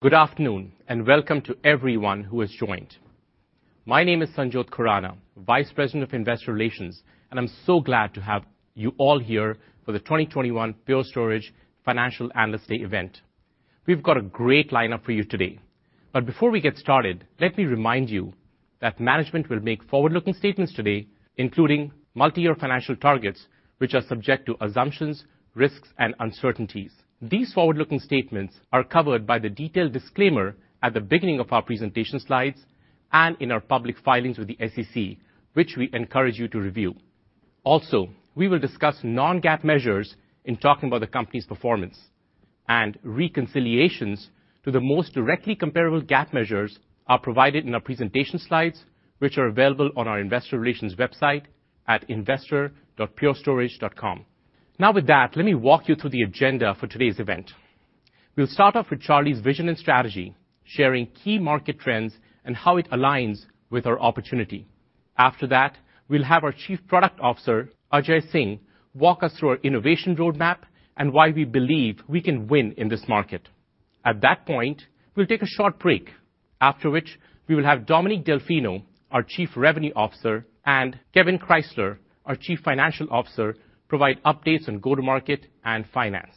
Good afternoon, and welcome to everyone who has joined. My name is Sanjot Khurana, Vice President of Investor Relations, and I'm so glad to have you all here for the 2021 Pure Storage Financial Analyst Day event. We've got a great lineup for you today. Before we get started, let me remind you that management will make forward-looking statements today, including multi-year financial targets, which are subject to assumptions, risks, and uncertainties. These forward-looking statements are covered by the detailed disclaimer at the beginning of our presentation slides and in our public filings with the SEC, which we encourage you to review. Also, we will discuss non-GAAP measures in talking about the company's performance. Reconciliations to the most directly comparable GAAP measures are provided in our presentation slides, which are available on our investor relations website at investor.purestorage.com. Now with that, let me walk you through the agenda for today's event. We'll start off with Charlie's vision and strategy, sharing key market trends and how it aligns with our opportunity. After that, we'll have our Chief Product Officer, Ajay Singh, walk us through our innovation roadmap and why we believe we can win in this market. At that point, we'll take a short break, after which we will have Dominick Delfino, our Chief Revenue Officer, and Kevan Krysler, our Chief Financial Officer, provide updates on go-to-market and finance.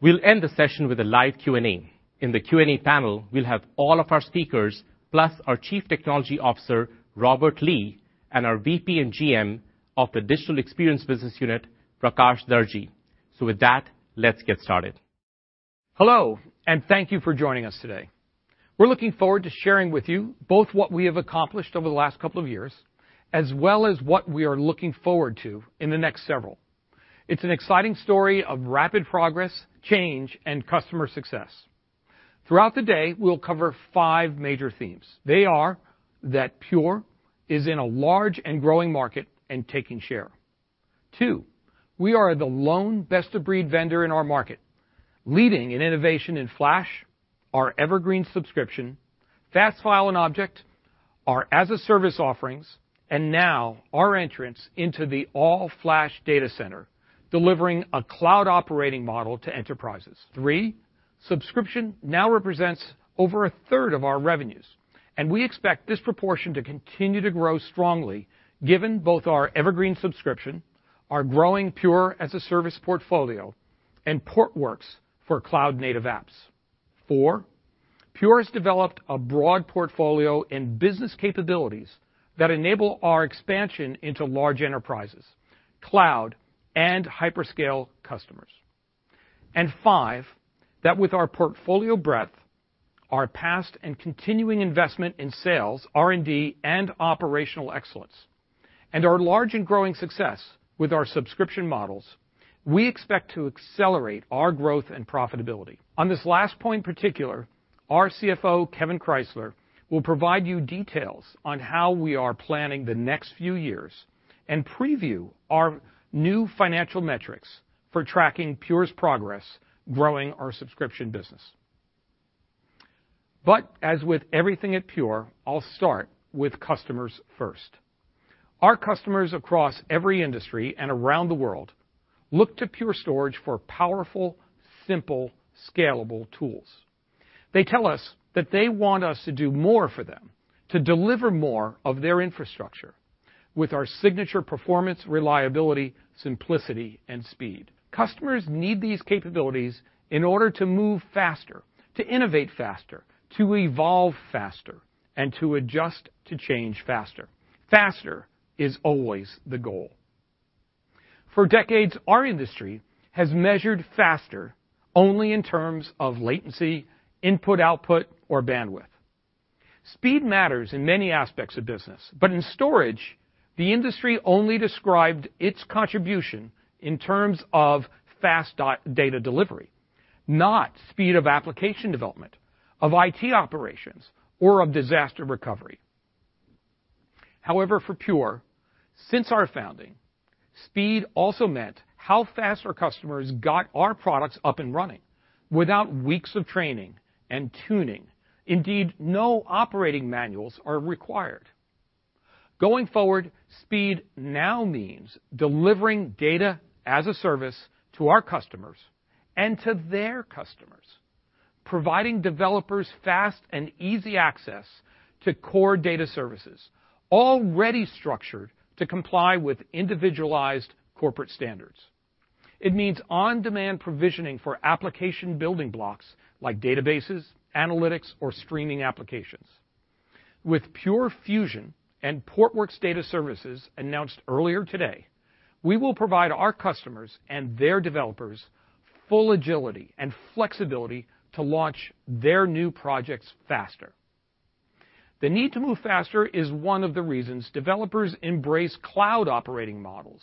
We'll end the session with a live Q&A. In the Q&A panel, we'll have all of our speakers, plus our Chief Technology Officer, Robert Lee, and our VP and GM of the Digital Experience Business Unit, Prakash Darji. With that, let's get started. Hello, and thank you for joining us today. We're looking forward to sharing with you both what we have accomplished over the last couple of years as well as what we are looking forward to in the next several. It's an exciting story of rapid progress, change, and customer success. Throughout the day, we'll cover five major themes. They are that Pure is in a large and growing market and taking share. Two, we are the lone best-of-breed vendor in our market, leading in innovation in flash, our Evergreen subscription, fast file and object, our as-a-service offerings, and now our entrance into the all-flash data center, delivering a cloud operating model to enterprises. Three, subscription now represents over 1/3 of our revenues, and we expect this proportion to continue to grow strongly given both our Evergreen subscription, our growing Pure as-a-Service portfolio, and Portworx for cloud-native apps. Four, Pure has developed a broad portfolio in business capabilities that enable our expansion into large enterprises, cloud, and hyperscale customers. Five, that with our portfolio breadth, our past and continuing investment in sales, R&D, and operational excellence, and our large and growing success with our subscription models, we expect to accelerate our growth and profitability. On this last point in particular, our CFO, Kevan Krysler, will provide you details on how we are planning the next few years and preview our new financial metrics for tracking Pure's progress growing our subscription business. As with everything at Pure, I'll start with customers first. Our customers across every industry and around the world look to Pure Storage for powerful, simple, scalable tools. They tell us that they want us to do more for them, to deliver more of their infrastructure with our signature performance, reliability, simplicity, and speed. Customers need these capabilities in order to move faster, to innovate faster, to evolve faster, and to adjust to change faster. Faster is always the goal. For decades, our industry has measured faster only in terms of latency, input/output, or bandwidth. Speed matters in many aspects of business, but in storage, the industry only described its contribution in terms of fast data delivery, not speed of application development, of IT operations, or of disaster recovery. However, for Pure, since our founding, speed also meant how fast our customers got our products up and running without weeks of training and tuning. Indeed, no operating manuals are required. Going forward, speed now means delivering data as a service to our customers and to their customers, providing developers fast and easy access to core data services already structured to comply with individualized corporate standards. It means on-demand provisioning for application building blocks like databases, analytics, or streaming applications. With Pure Fusion and Portworx Data Services announced earlier today, we will provide our customers and their developers full agility and flexibility to launch their new projects faster. The need to move faster is one of the reasons developers embrace cloud operating models.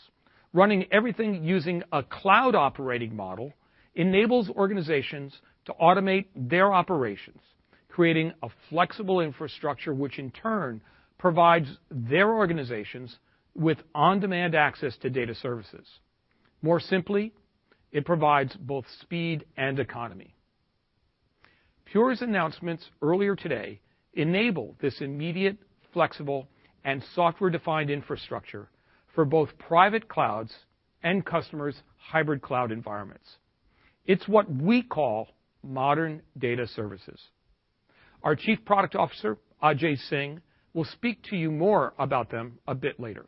Running everything using a cloud operating model enables organizations to automate their operations, creating a flexible infrastructure which in turn provides their organizations with on-demand access to data services. More simply, it provides both speed and economy. Pure's announcements earlier today enable this immediate, flexible, and software-defined infrastructure for both private clouds and customers' hybrid cloud environments. It's what we call modern data services. Our Chief Product Officer, Ajay Singh, will speak to you more about them a bit later.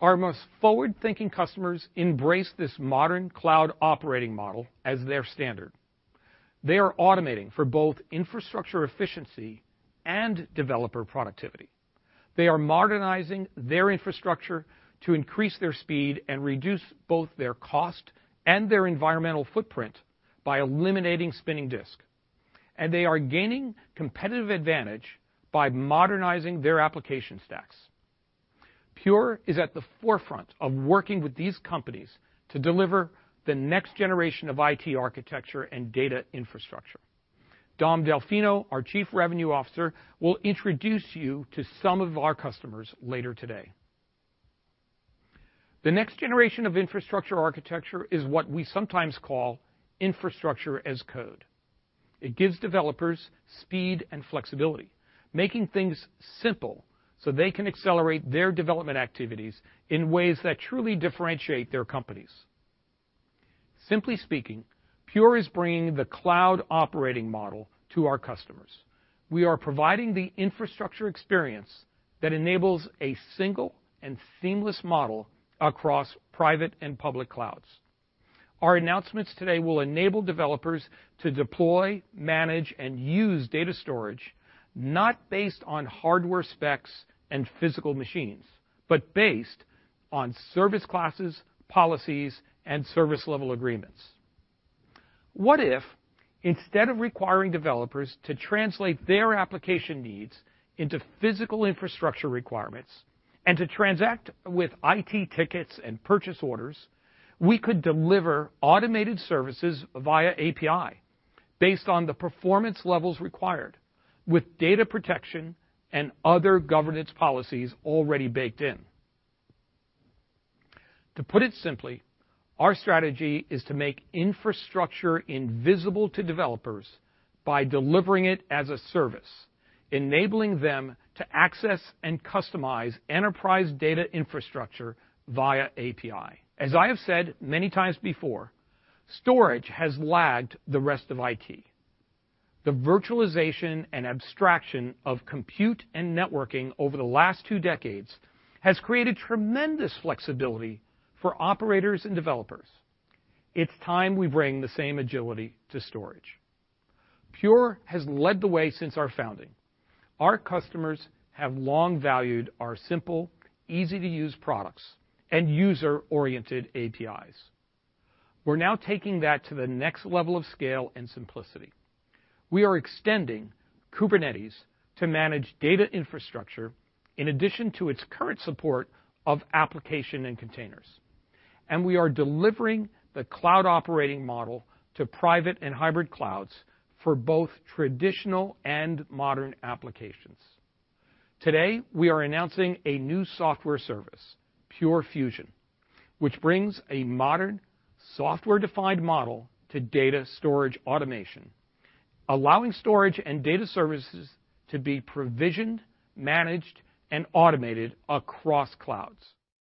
Our most forward-thinking customers embrace this modern cloud operating model as their standard. They are automating for both infrastructure efficiency and developer productivity. They are modernizing their infrastructure to increase their speed and reduce both their cost and their environmental footprint by eliminating spinning disk. They are gaining competitive advantage by modernizing their application stacks. Pure is at the forefront of working with these companies to deliver the next generation of IT architecture and data infrastructure. Dom Delfino, our Chief Revenue Officer, will introduce you to some of our customers later today. The next generation of infrastructure architecture is what we sometimes call Infrastructure as Code. It gives developers speed and flexibility, making things simple so they can accelerate their development activities in ways that truly differentiate their companies. Simply speaking, Pure is bringing the cloud operating model to our customers. We are providing the infrastructure experience that enables a single and seamless model across private and public clouds. Our announcements today will enable developers to deploy, manage, and use data storage, not based on hardware specs and physical machines, but based on service classes, policies, and service level agreements. What if, instead of requiring developers to translate their application needs into physical infrastructure requirements and to transact with IT tickets and purchase orders, we could deliver automated services via API based on the performance levels required with data protection and other governance policies already baked in? To put it simply, our strategy is to make infrastructure invisible to developers by delivering it as a service, enabling them to access and customize enterprise data infrastructure via API. As I have said many times before, storage has lagged the rest of IT. The virtualization and abstraction of compute and networking over the last two decades has created tremendous flexibility for operators and developers. It's time we bring the same agility to storage. Pure has led the way since our founding. Our customers have long valued our simple, easy-to-use products and user-oriented APIs. We're now taking that to the next level of scale and simplicity. We are extending Kubernetes to manage data infrastructure in addition to its current support of application and containers. We are delivering the cloud operating model to private and hybrid clouds for both traditional and modern applications. Today, we are announcing a new software service, Pure Fusion, which brings a modern software-defined model to data storage automation, allowing storage and data services to be provisioned, managed, and automated across clouds.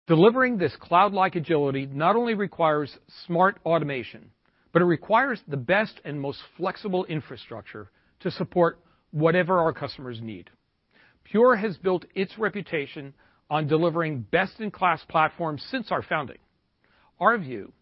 Delivering this cloud-like agility not only requires smart automation, but it requires the best and most flexible infrastructure to support whatever our customers need. Pure has built its reputation on delivering best-in-class platforms since our founding. Our view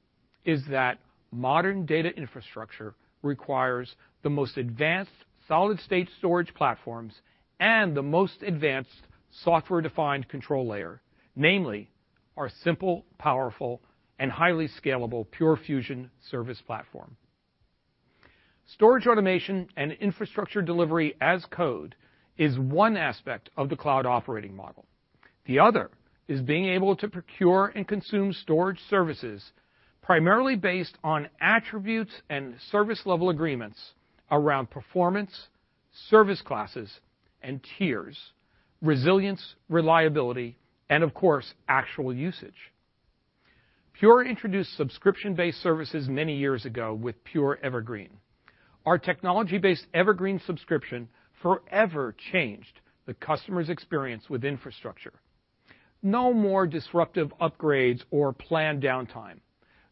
is that modern data infrastructure requires the most advanced solid-state storage platforms and the most advanced software-defined control layer, namely our simple, powerful, and highly scalable Pure Fusion service platform. Storage automation and Infrastructure delivery as Code is one aspect of the cloud operating model. The other is being able to procure and consume storage services primarily based on attributes and service level agreements around performance, service classes and tiers, resilience, reliability, and of course, actual usage. Pure introduced subscription-based services many years ago with Pure Evergreen. Our technology-based Evergreen subscription forever changed the customer's experience with infrastructure. No more disruptive upgrades or planned downtime.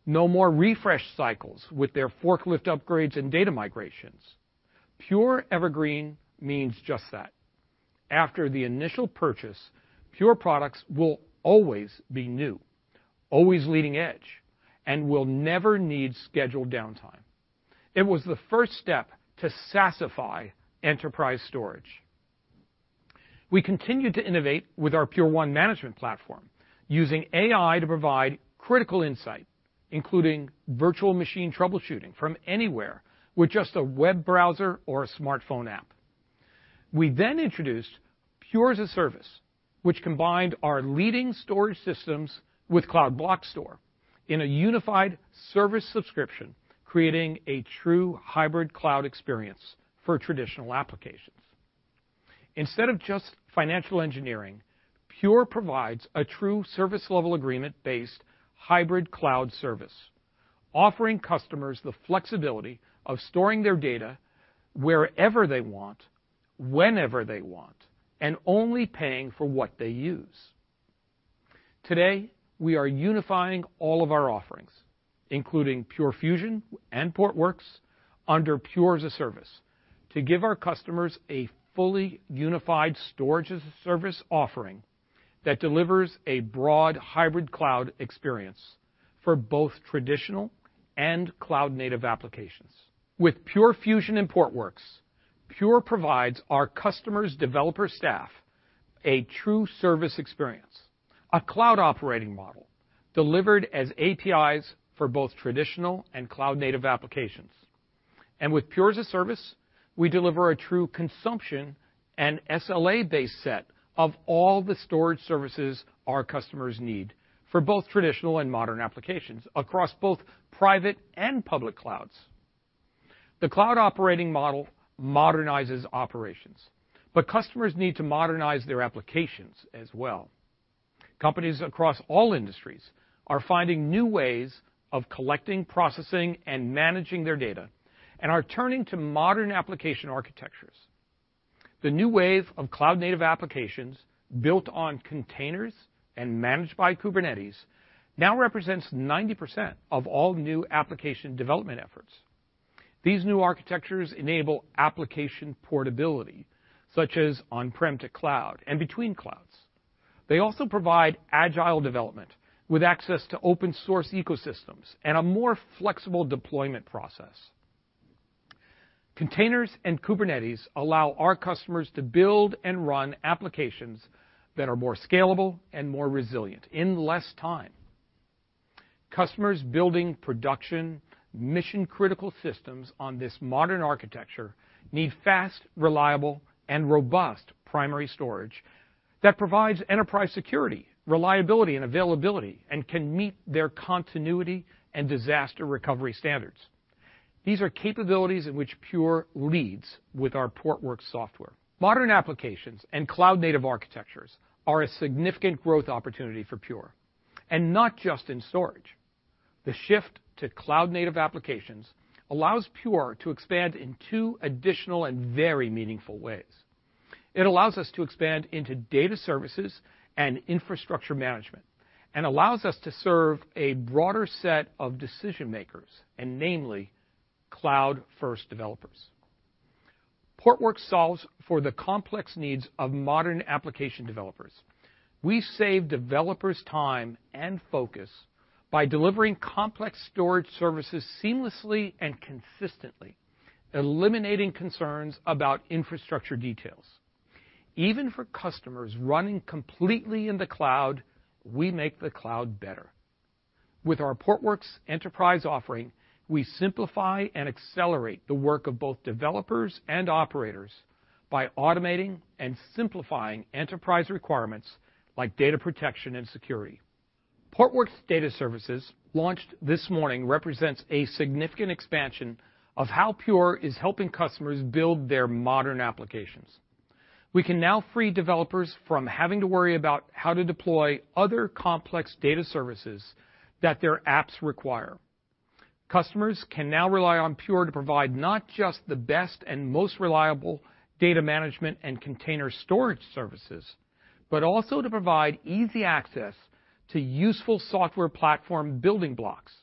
No more refresh cycles with their forklift upgrades and data migrations. Pure Evergreen means just that. After the initial purchase, Pure products will always be new, always leading edge, and will never need scheduled downtime. It was the first step to SaaSify enterprise storage. We continued to innovate with our Pure1 management platform, using AI to provide critical insight, including virtual machine troubleshooting from anywhere with just a web browser or a smartphone app. We introduced Pure as-a-Service, which combined our leading storage systems with Cloud Block Store in a unified service subscription, creating a true hybrid cloud experience for traditional applications. Instead of just financial engineering, Pure provides a true service level agreement-based hybrid cloud service offering customers the flexibility of storing their data wherever they want, whenever they want, and only paying for what they use. Today, we are unifying all of our offerings, including Pure Fusion and Portworx under Pure as-a-Service to give our customers a fully unified storage-as-a-service offering that delivers a broad hybrid cloud experience for both traditional and cloud-native applications. With Pure Fusion and Portworx, Pure provides our customers' developer staff a true service experience, a cloud operating model delivered as APIs for both traditional and cloud-native applications. With Pure as-a-Service, we deliver a true consumption and SLA-based set of all the storage services our customers need for both traditional and modern applications across both private and public clouds. The cloud operating model modernizes operations, customers need to modernize their applications as well. Companies across all industries are finding new ways of collecting, processing, and managing their data and are turning to modern application architectures. The new wave of cloud-native applications built on containers and managed by Kubernetes now represents 90% of all new application development efforts. These new architectures enable application portability, such as on-prem to cloud and between clouds. They also provide agile development with access to open-source ecosystems and a more flexible deployment process. Containers and Kubernetes allow our customers to build and run applications that are more scalable and more resilient in less time. Customers building production mission-critical systems on this modern architecture need fast, reliable, and robust primary storage that provides enterprise security, reliability, and availability and can meet their continuity and disaster recovery standards. These are capabilities in which Pure leads with our Portworx software. Modern applications and cloud-native architectures are a significant growth opportunity for Pure, and not just in storage. The shift to cloud-native applications allows Pure to expand in two additional and very meaningful ways. It allows us to expand into data services and infrastructure management and allows us to serve a broader set of decision-makers and namely, cloud-first developers. Portworx solves for the complex needs of modern application developers. We save developers time and focus by delivering complex storage services seamlessly and consistently, eliminating concerns about infrastructure details. Even for customers running completely in the cloud, we make the cloud better. With our Portworx Enterprise offering, we simplify and accelerate the work of both developers and operators by automating and simplifying enterprise requirements like data protection and security. Portworx Data Services launched this morning represents a significant expansion of how Pure is helping customers build their modern applications. We can now free developers from having to worry about how to deploy other complex data services that their apps require. Customers can now rely on Pure to provide not just the best and most reliable data management and container storage services, but also to provide easy access to useful software platform building blocks.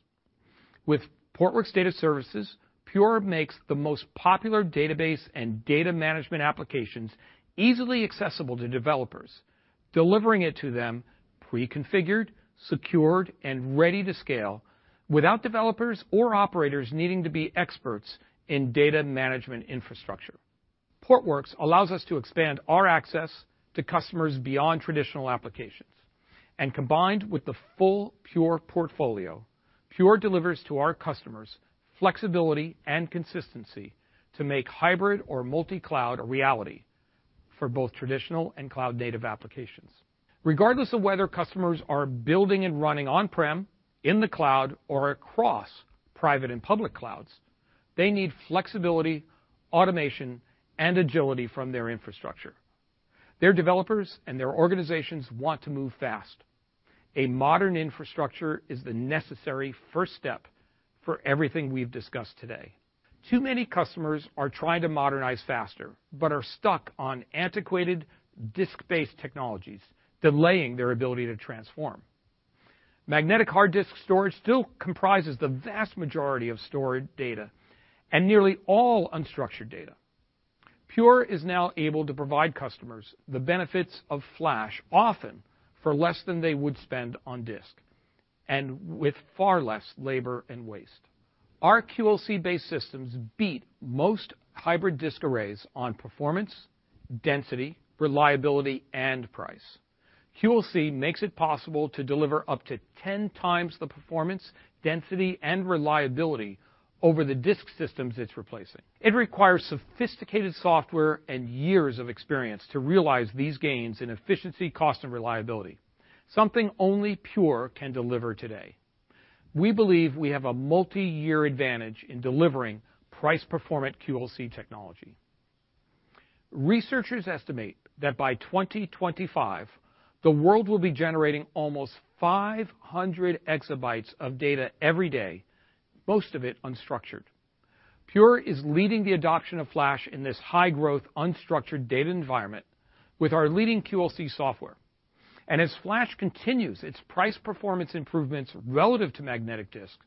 With Portworx Data Services, Pure makes the most popular database and data management applications easily accessible to developers, delivering it to them pre-configured, secured, and ready to scale without developers or operators needing to be experts in data management infrastructure. Portworx allows us to expand our access to customers beyond traditional applications, and combined with the full Pure portfolio, Pure delivers to our customers flexibility and consistency to make hybrid or multi-cloud a reality for both traditional and cloud-native applications. Regardless of whether customers are building and running on-prem, in the cloud, or across private and public clouds, they need flexibility, automation, and agility from their infrastructure. Their developers and their organizations want to move fast. A modern infrastructure is the necessary first step for everything we've discussed today. Too many customers are trying to modernize faster but are stuck on antiquated disk-based technologies, delaying their ability to transform. Magnetic hard disk storage still comprises the vast majority of stored data and nearly all unstructured data. Pure is now able to provide customers the benefits of flash, often for less than they would spend on disk, and with far less labor and waste. Our QLC-based systems beat most hybrid disk arrays on performance, density, reliability, and price. QLC makes it possible to deliver up to 10x the performance, density, and reliability over the disk systems it's replacing. It requires sophisticated software and years of experience to realize these gains in efficiency, cost, and reliability. Something only Pure can deliver today. We believe we have a multi-year advantage in delivering price-performant QLC technology. Researchers estimate that by 2025, the world will be generating almost 500 exabytes of data every day, most of it unstructured. Pure is leading the adoption of flash in this high-growth, unstructured data environment with our leading QLC software. As flash continues its price-performance improvements relative to magnetic disk,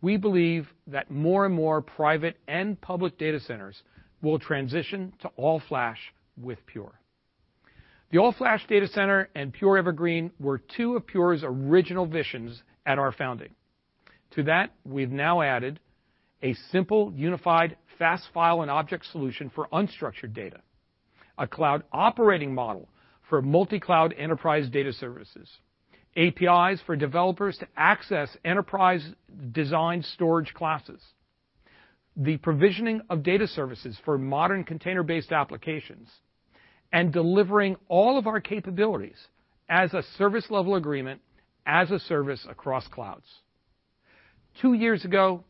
we believe that more and more private and public data centers will transition to all-flash with Pure. The all-flash data center and Pure Evergreen were two of Pure's original visions at our founding. To that, we've now added a simple, unified fast file and object solution for unstructured data, a cloud operating model for multi-cloud enterprise data services, APIs for developers to access enterprise-designed storage classes, the provisioning of data services for modern container-based applications, and delivering all of our capabilities as a service level agreement as a service across clouds. Two years ago,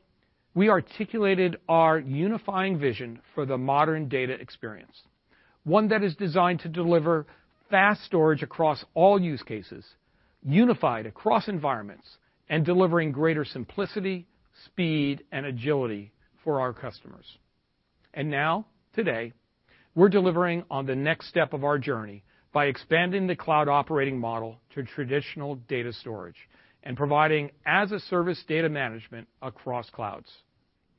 we articulated our unifying vision for the modern data experience, one that is designed to deliver fast storage across all use cases, unified across environments, and delivering greater simplicity, speed, and agility for our customers. Now, today, we're delivering on the next step of our journey by expanding the cloud operating model to traditional data storage and providing as-a-service data management across clouds.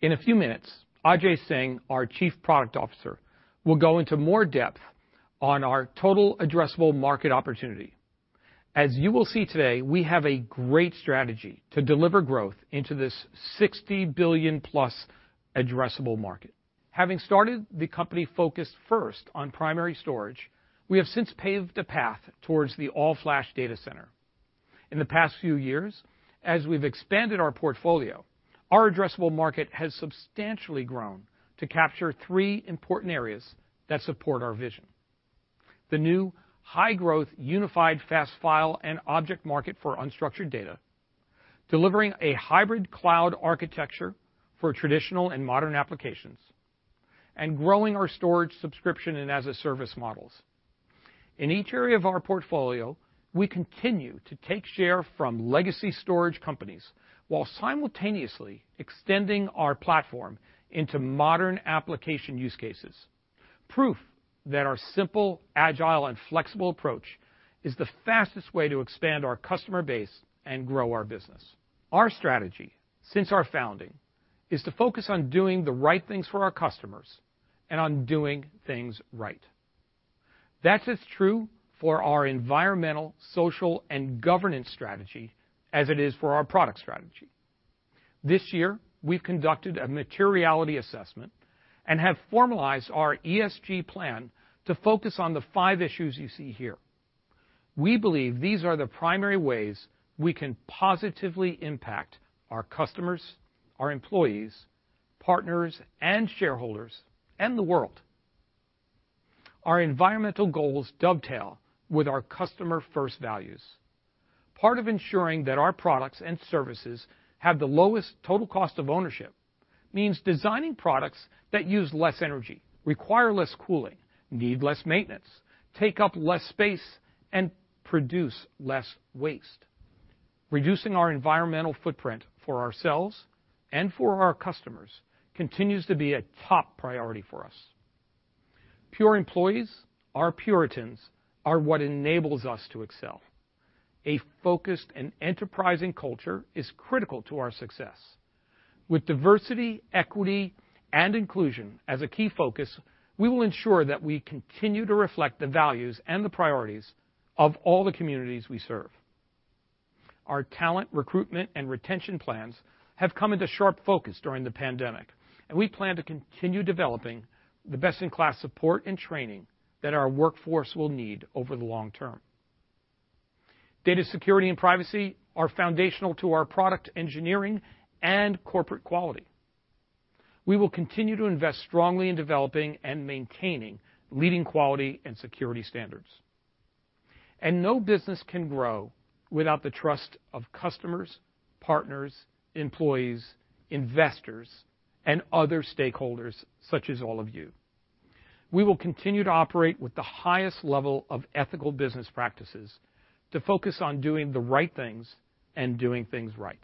In a few minutes, Ajay Singh, our Chief Product Officer, will go into more depth on our total addressable market opportunity. As you will see today, we have a great strategy to deliver growth into this $60+ billion addressable market. Having started the company focused first on primary storage, we have since paved a path towards the all-flash data center. In the past few years, as we've expanded our portfolio, our addressable market has substantially grown to capture three important areas that support our vision, the new high-growth, unified fast file and object market for unstructured data, delivering a hybrid cloud architecture for traditional and modern applications, and growing our storage subscription and as-a-service models. In each area of our portfolio, we continue to take share from legacy storage companies while simultaneously extending our platform into modern application use cases, proof that our simple, agile, and flexible approach is the fastest way to expand our customer base and grow our business. Our strategy since our founding is to focus on doing the right things for our customers and on doing things right. That is true for our environmental, social, and governance strategy as it is for our product strategy. This year, we've conducted a materiality assessment and have formalized our ESG plan to focus on the five issues you see here. We believe these are the primary ways we can positively impact our customers, our employees, partners, and shareholders, and the world. Our environmental goals dovetail with our customer-first values. Part of ensuring that our products and services have the lowest total cost of ownership means designing products that use less energy, require less cooling, need less maintenance, take up less space, and produce less waste. Reducing our environmental footprint for ourselves and for our customers continues to be a top priority for us. Pure employees, our Puritans, are what enables us to excel. A focused and enterprising culture is critical to our success. With diversity, equity, and inclusion as a key focus, we will ensure that we continue to reflect the values and the priorities of all the communities we serve. Our talent recruitment and retention plans have come into sharp focus during the pandemic, and we plan to continue developing the best-in-class support and training that our workforce will need over the long term. Data security and privacy are foundational to our product engineering and corporate quality. We will continue to invest strongly in developing and maintaining leading quality and security standards. No business can grow without the trust of customers, partners, employees, investors, and other stakeholders such as all of you. We will continue to operate with the highest level of ethical business practices to focus on doing the right things and doing things right.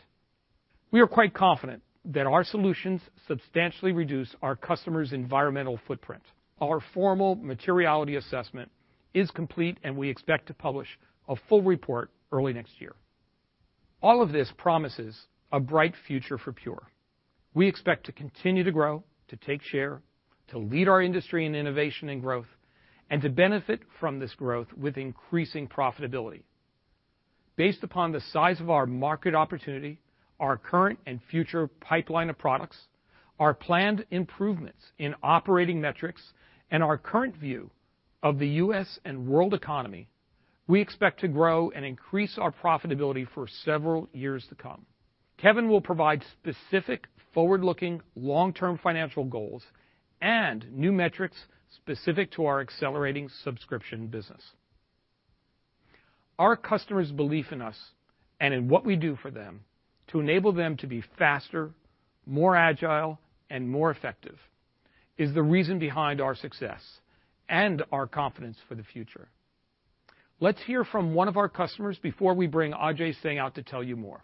We are quite confident that our solutions substantially reduce our customers' environmental footprint. Our formal materiality assessment is complete, and we expect to publish a full report early next year. All of this promises a bright future for Pure. We expect to continue to grow, to take share, to lead our industry in innovation and growth, and to benefit from this growth with increasing profitability. Based upon the size of our market opportunity, our current and future pipeline of products, our planned improvements in operating metrics, and our current view of the U.S. and world economy, we expect to grow and increase our profitability for several years to come. Kevan will provide specific, forward-looking, long-term financial goals and new metrics specific to our accelerating subscription business. Our customers' belief in us and in what we do for them to enable them to be faster, more agile, and more effective is the reason behind our success and our confidence for the future. Let's hear from one of our customers before we bring Ajay Singh out to tell you more.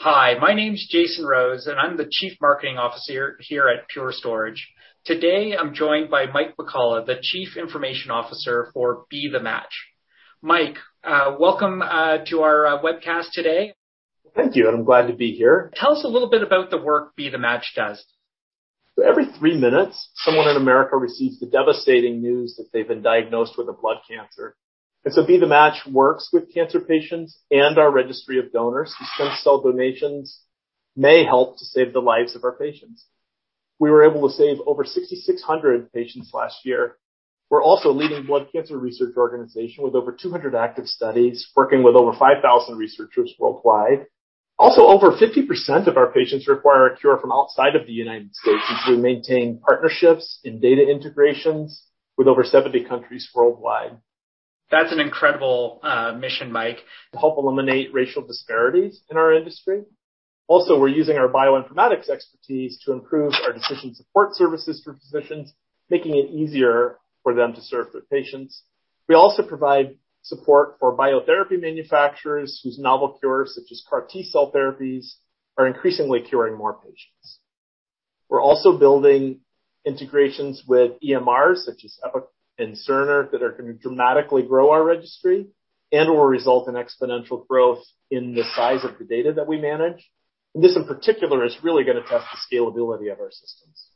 Hi, my name's Jason Rose, and I'm the Chief Marketing Officer here at Pure Storage. Today I'm joined by Mike McCullough, the Chief Information Officer for Be The Match. Mike, welcome to our webcast today. Thank you, and I'm glad to be here. Tell us a little bit about the work Be The Match does? Every three minutes, someone in America receives the devastating news that they've been diagnosed with a blood cancer. Be The Match works with cancer patients and our registry of donors whose stem cell donations may help to save the lives of our patients. We were able to save over 6,600 patients last year. We're also a leading blood cancer research organization with over 200 active studies, working with over 5,000 researchers worldwide. Also, over 50% of our patients require a cure from outside of the United States, we maintain partnerships and data integrations with over 70 countries worldwide. That's an incredible mission, Mike. To help eliminate racial disparities in our industry. Also, we're using our bioinformatics expertise to improve our decision support services for physicians, making it easier for them to serve their patients. We also provide support for biotherapy manufacturers whose novel cures, such as CAR T-cell therapies, are increasingly curing more patients. We're also building integrations with EMRs such as Epic and Cerner that are going to dramatically grow our registry and will result in exponential growth in the size of the data that we manage. This in particular is really going to test the scalability of our systems.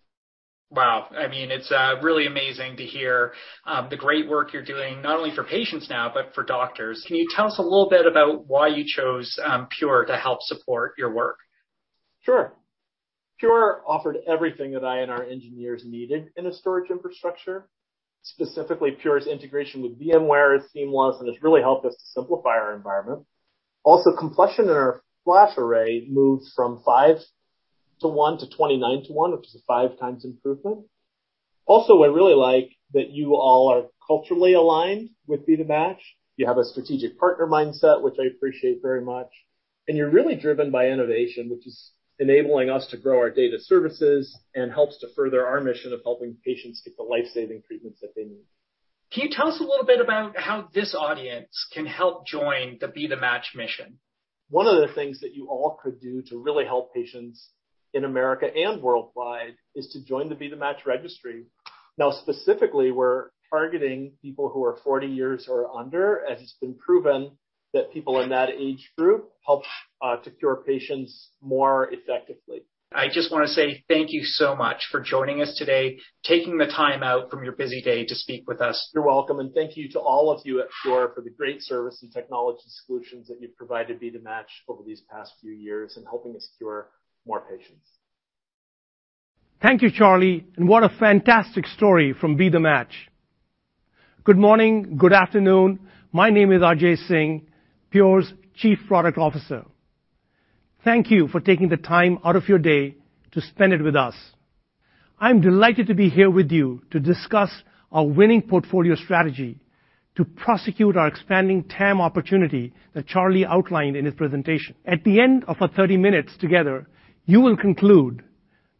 Wow. It's really amazing to hear the great work you're doing, not only for patients now, but for doctors. Can you tell us a little bit about why you chose Pure to help support your work? Sure. Pure offered everything that I and our engineers needed in a storage infrastructure. Specifically, Pure's integration with VMware is seamless, and it's really helped us to simplify our environment. Compression in our FlashArray moved from 5:1 to 29:1, which is a 5x improvement. I really like that you all are culturally aligned with Be The Match. You have a strategic partner mindset, which I appreciate very much. You're really driven by innovation, which is enabling us to grow our data services and helps to further our mission of helping patients get the life-saving treatments that they need. Can you tell us a little bit about how this audience can help join the Be The Match mission? One of the things that you all could do to really help patients in America and worldwide is to join the Be The Match registry. Now, specifically, we're targeting people who are 40 years or under, as it's been proven that people in that age group help to cure patients more effectively. I just want to say thank you so much for joining us today, taking the time out from your busy day to speak with us. You're welcome. Thank you to all of you at Pure for the great service and technology solutions that you've provided Be The Match over these past few years in helping us cure more patients. Thank you, Charlie. What a fantastic story from Be The Match. Good morning, good afternoon. My name is Ajay Singh, Pure's Chief Product Officer. Thank you for taking the time out of your day to spend it with us. I'm delighted to be here with you to discuss our winning portfolio strategy to prosecute our expanding TAM opportunity that Charlie outlined in his presentation. At the end of our 30 minutes together, you will conclude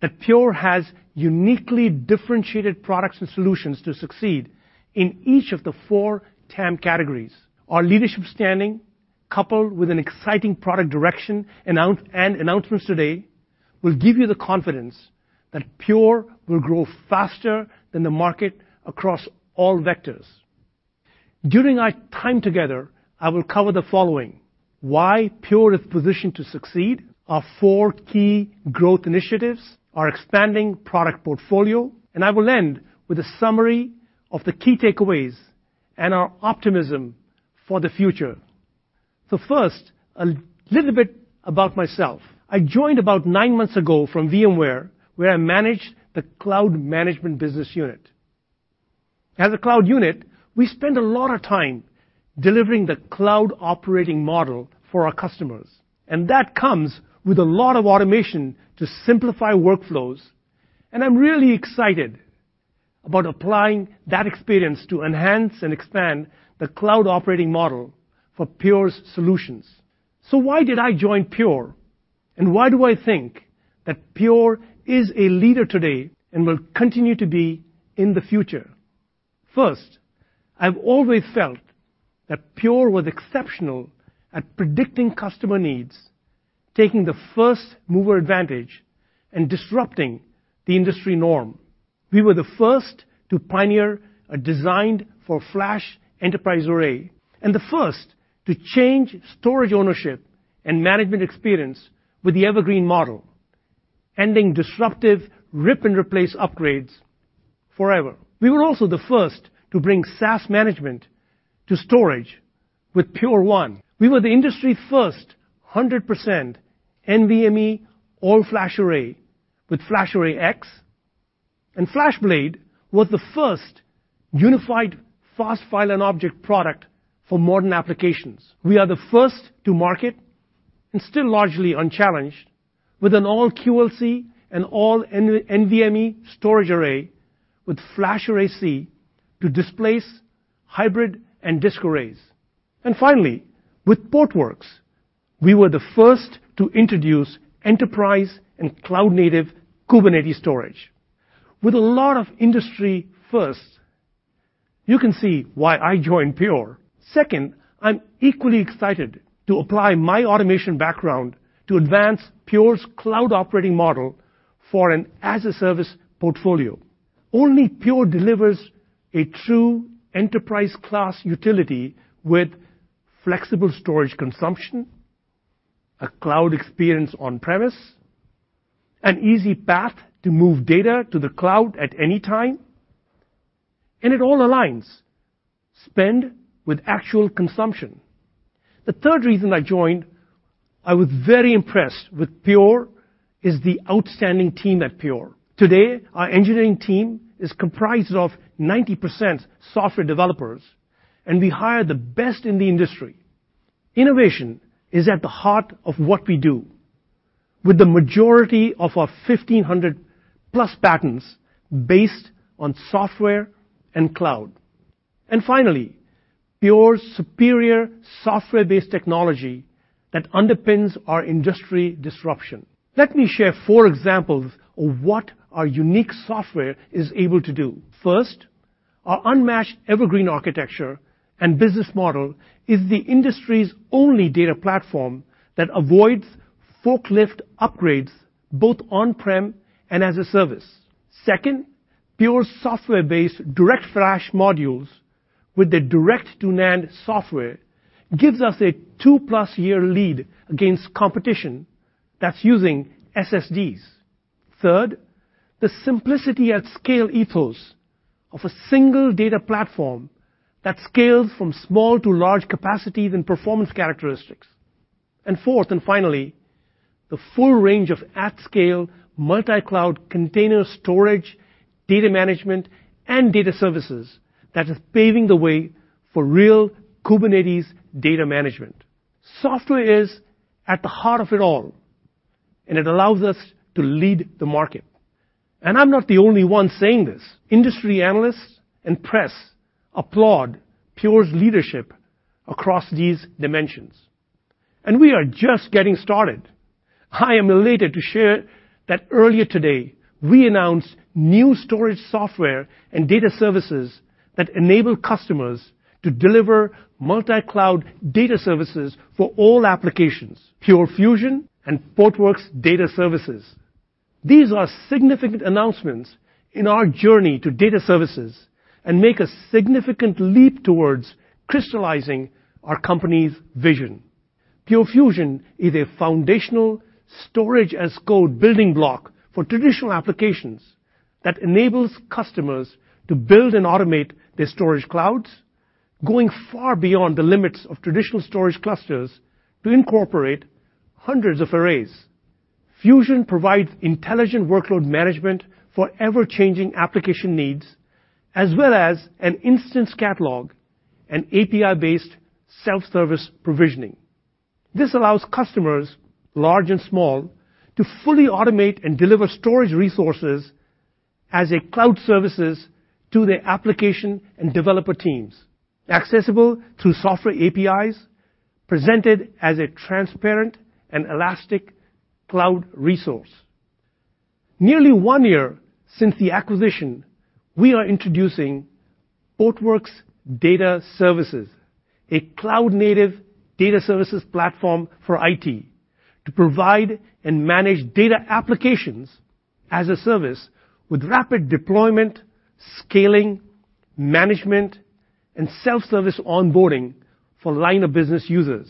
that Pure has uniquely differentiated products and solutions to succeed in each of the four TAM categories. Our leadership standing, coupled with an exciting product direction and announcements today, will give you the confidence that Pure will grow faster than the market across all vectors. During our time together, I will cover the following: why Pure is positioned to succeed, our four key growth initiatives, our expanding product portfolio, and I will end with a summary of the key takeaways and our optimism for the future. First, a little bit about myself. I joined about nine months ago from VMware, where I managed the Cloud Management Business Unit. As a cloud unit, we spend a lot of time delivering the cloud operating model for our customers. That comes with a lot of automation to simplify workflows. I'm really excited about applying that experience to enhance and expand the cloud operating model for Pure's solutions. Why did I join Pure? Why do I think that Pure is a leader today and will continue to be in the future? First, I've always felt that Pure was exceptional at predicting customer needs, taking the first-mover advantage, and disrupting the industry norm. We were the first to pioneer a designed-for-flash enterprise array. The first to change storage ownership and management experience with the Evergreen model, ending disruptive rip-and-replace upgrades forever. We were also the first to bring SaaS management to storage with Pure1. We were the industry's first 100% NVMe all-flash array with FlashArray//X. FlashBlade was the first unified fast file and object product for modern applications. We are the first to market and still largely unchallenged with an all-QLC and all-NVMe storage array with FlashArray//C to displace hybrid and disk arrays. Finally, with Portworx, we were the first to introduce enterprise and cloud-native Kubernetes storage. With a lot of industry firsts, you can see why I joined Pure. Second, I'm equally excited to apply my automation background to advance Pure's cloud operating model for an as-a-service portfolio. Only Pure delivers a true enterprise-class utility with flexible storage consumption, a cloud experience on-premise, an easy path to move data to the cloud at any time. It all aligns spend with actual consumption. The third reason I joined, I was very impressed with Pure, is the outstanding team at Pure. Today, our engineering team is comprised of 90% software developers. We hire the best in the industry. Innovation is at the heart of what we do, with the majority of our 1,500+ patents based on software and cloud. Finally, Pure's superior software-based technology that underpins our industry disruption. Let me share four examples of what our unique software is able to do. First, our unmatched Evergreen architecture and business model is the industry's only data platform that avoids forklift upgrades both on-prem and as a service. Second, Pure's software-based DirectFlash modules with the direct-to-NAND software gives us a two-plus-year lead against competition that's using SSDs. Third, the simplicity at scale ethos of a single data platform that scales from small to large capacities and performance characteristics. Fourth and finally, the full range of at-scale multi-cloud container storage, data management, and data services that is paving the way for real Kubernetes data management. Software is at the heart of it all, it allows us to lead the market. I'm not the only one saying this. Industry analysts and press applaud Pure's leadership across these dimensions. We are just getting started. I am elated to share that earlier today, we announced new storage software and data services that enable customers to deliver multi-cloud data services for all applications, Pure Fusion and Portworx Data Services. These are significant announcements in our journey to data services and make a significant leap towards crystallizing our company's vision. Pure Fusion is a foundational storage as code building block for traditional applications that enables customers to build and automate their storage clouds, going far beyond the limits of traditional storage clusters to incorporate hundreds of arrays. Fusion provides intelligent workload management for ever-changing application needs, as well as an instance catalog and API-based self-service provisioning. This allows customers, large and small, to fully automate and deliver storage resources as a cloud services to their application and developer teams, accessible through software APIs, presented as a transparent and elastic cloud resource. Nearly one year since the acquisition, we are introducing Portworx Data Services, a cloud-native data services platform for IT, to provide and manage data applications as a service with rapid deployment, scaling, management, and self-service onboarding for line-of-business users.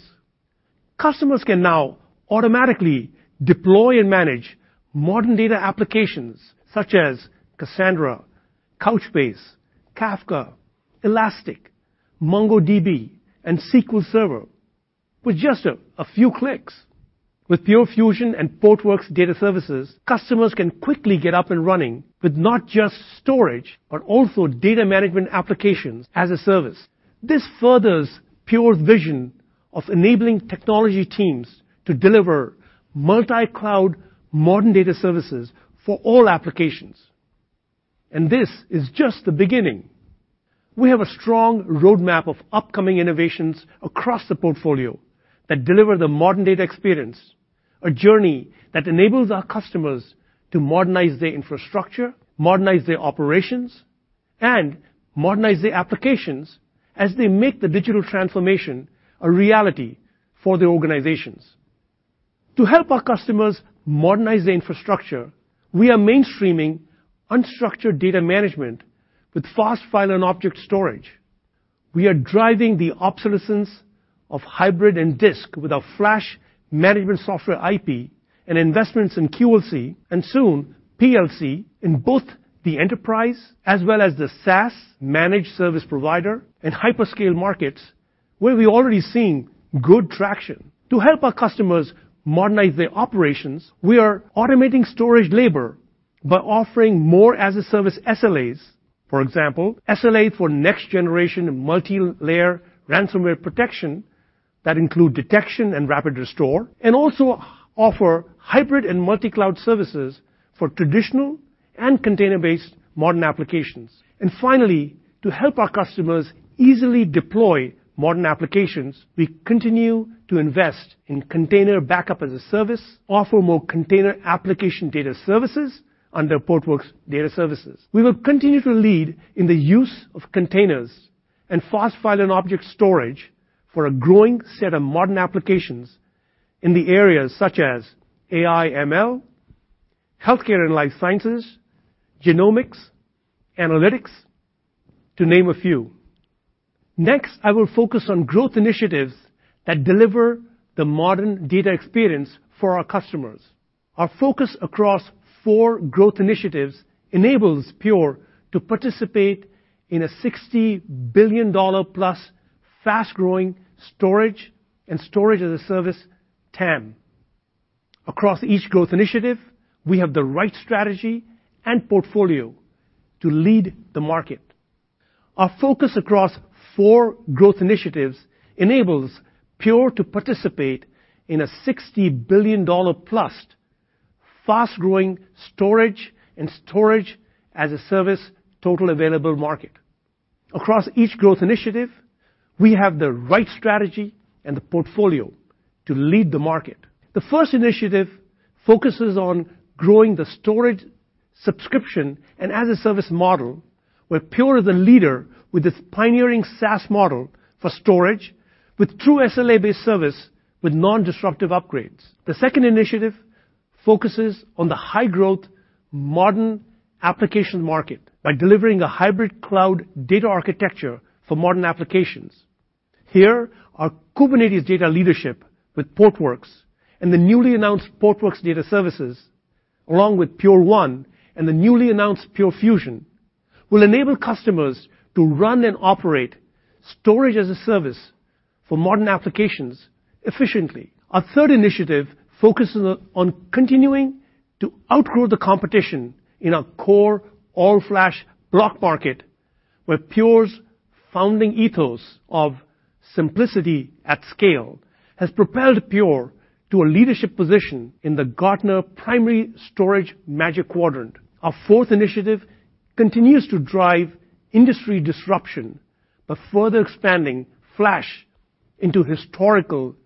Customers can now automatically deploy and manage modern data applications such as Cassandra, Couchbase, Kafka, Elastic, MongoDB, and SQL Server with just a few clicks. With Pure Fusion and Portworx Data Services, customers can quickly get up and running with not just storage, but also data management applications as a service. This furthers Pure's vision of enabling technology teams to deliver multi-cloud modern data services for all applications. This is just the beginning. We have a strong roadmap of upcoming innovations across the portfolio that deliver the modern data experience. A journey that enables our customers to modernize their infrastructure, modernize their operations, and modernize their applications as they make the digital transformation a reality for their organizations. To help our customers modernize their infrastructure, we are mainstreaming unstructured data management with fast file and object storage. We are driving the obsolescence of hybrid and disk with our flash management software IP and investments in QLC, and soon PLC, in both the enterprise as well as the SaaS managed service provider and hyperscale markets, where we're already seeing good traction. To help our customers modernize their operations, we are automating storage labor by offering more as-a-service SLAs. For example, SLA for next-generation multi-layer ransomware protection that include detection and rapid restore, and also offer hybrid and multi-cloud services for traditional and container-based modern applications. Finally, to help our customers easily deploy modern applications, we continue to invest in container backup as a service, offer more container application data services under Portworx Data Services. We will continue to lead in the use of containers and fast file and object storage for a growing set of modern applications in the areas such as AI, ML, healthcare and life sciences, genomics, analytics, to name a few. Next, I will focus on growth initiatives that deliver the modern data experience for our customers. Our focus across four growth initiatives enables Pure to participate in a $60+ billion fast-growing storage and storage-as-a-service TAM. Across each growth initiative, we have the right strategy and portfolio to lead the market. Our focus across four growth initiatives enables Pure to participate in a $60+ billion fast-growing storage and storage-as-a-service total available market. Across each growth initiative, we have the right strategy and the portfolio to lead the market. The first initiative focuses on growing the storage subscription and as-a-service model, where Pure is a leader with its pioneering SaaS model for storage with true SLA-based service with non-disruptive upgrades. The second initiative focuses on the high-growth modern application market by delivering a hybrid cloud data architecture for modern applications. Here, our Kubernetes data leadership with Portworx and the newly announced Portworx Data Services, along with Pure1 and the newly announced Pure Fusion, will enable customers to run and operate storage as a service for modern applications efficiently. Our third initiative focuses on continuing to outgrow the competition in a core all-flash block market, where Pure's founding ethos of simplicity at scale has propelled Pure to a leadership position in the Gartner Primary Storage Magic Quadrant. Our fourth initiative continues to drive industry disruption by further expanding flash into historical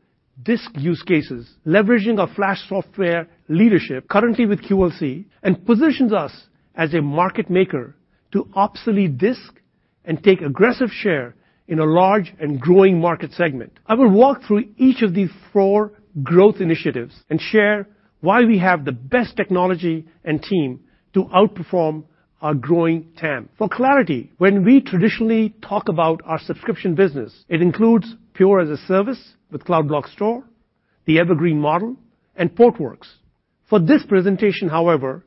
disk use cases, leveraging our flash software leadership currently with QLC, and positions us as a market-maker to obsolete disk and take aggressive share in a large and growing market segment. I will walk through each of the four growth initiatives and share why we have the best technology and team to outperform our growing TAM. For clarity, when we traditionally talk about our subscription business, it includes Pure as-a-Service with Cloud Block Store, the Evergreen model, and Portworx. For this presentation, however,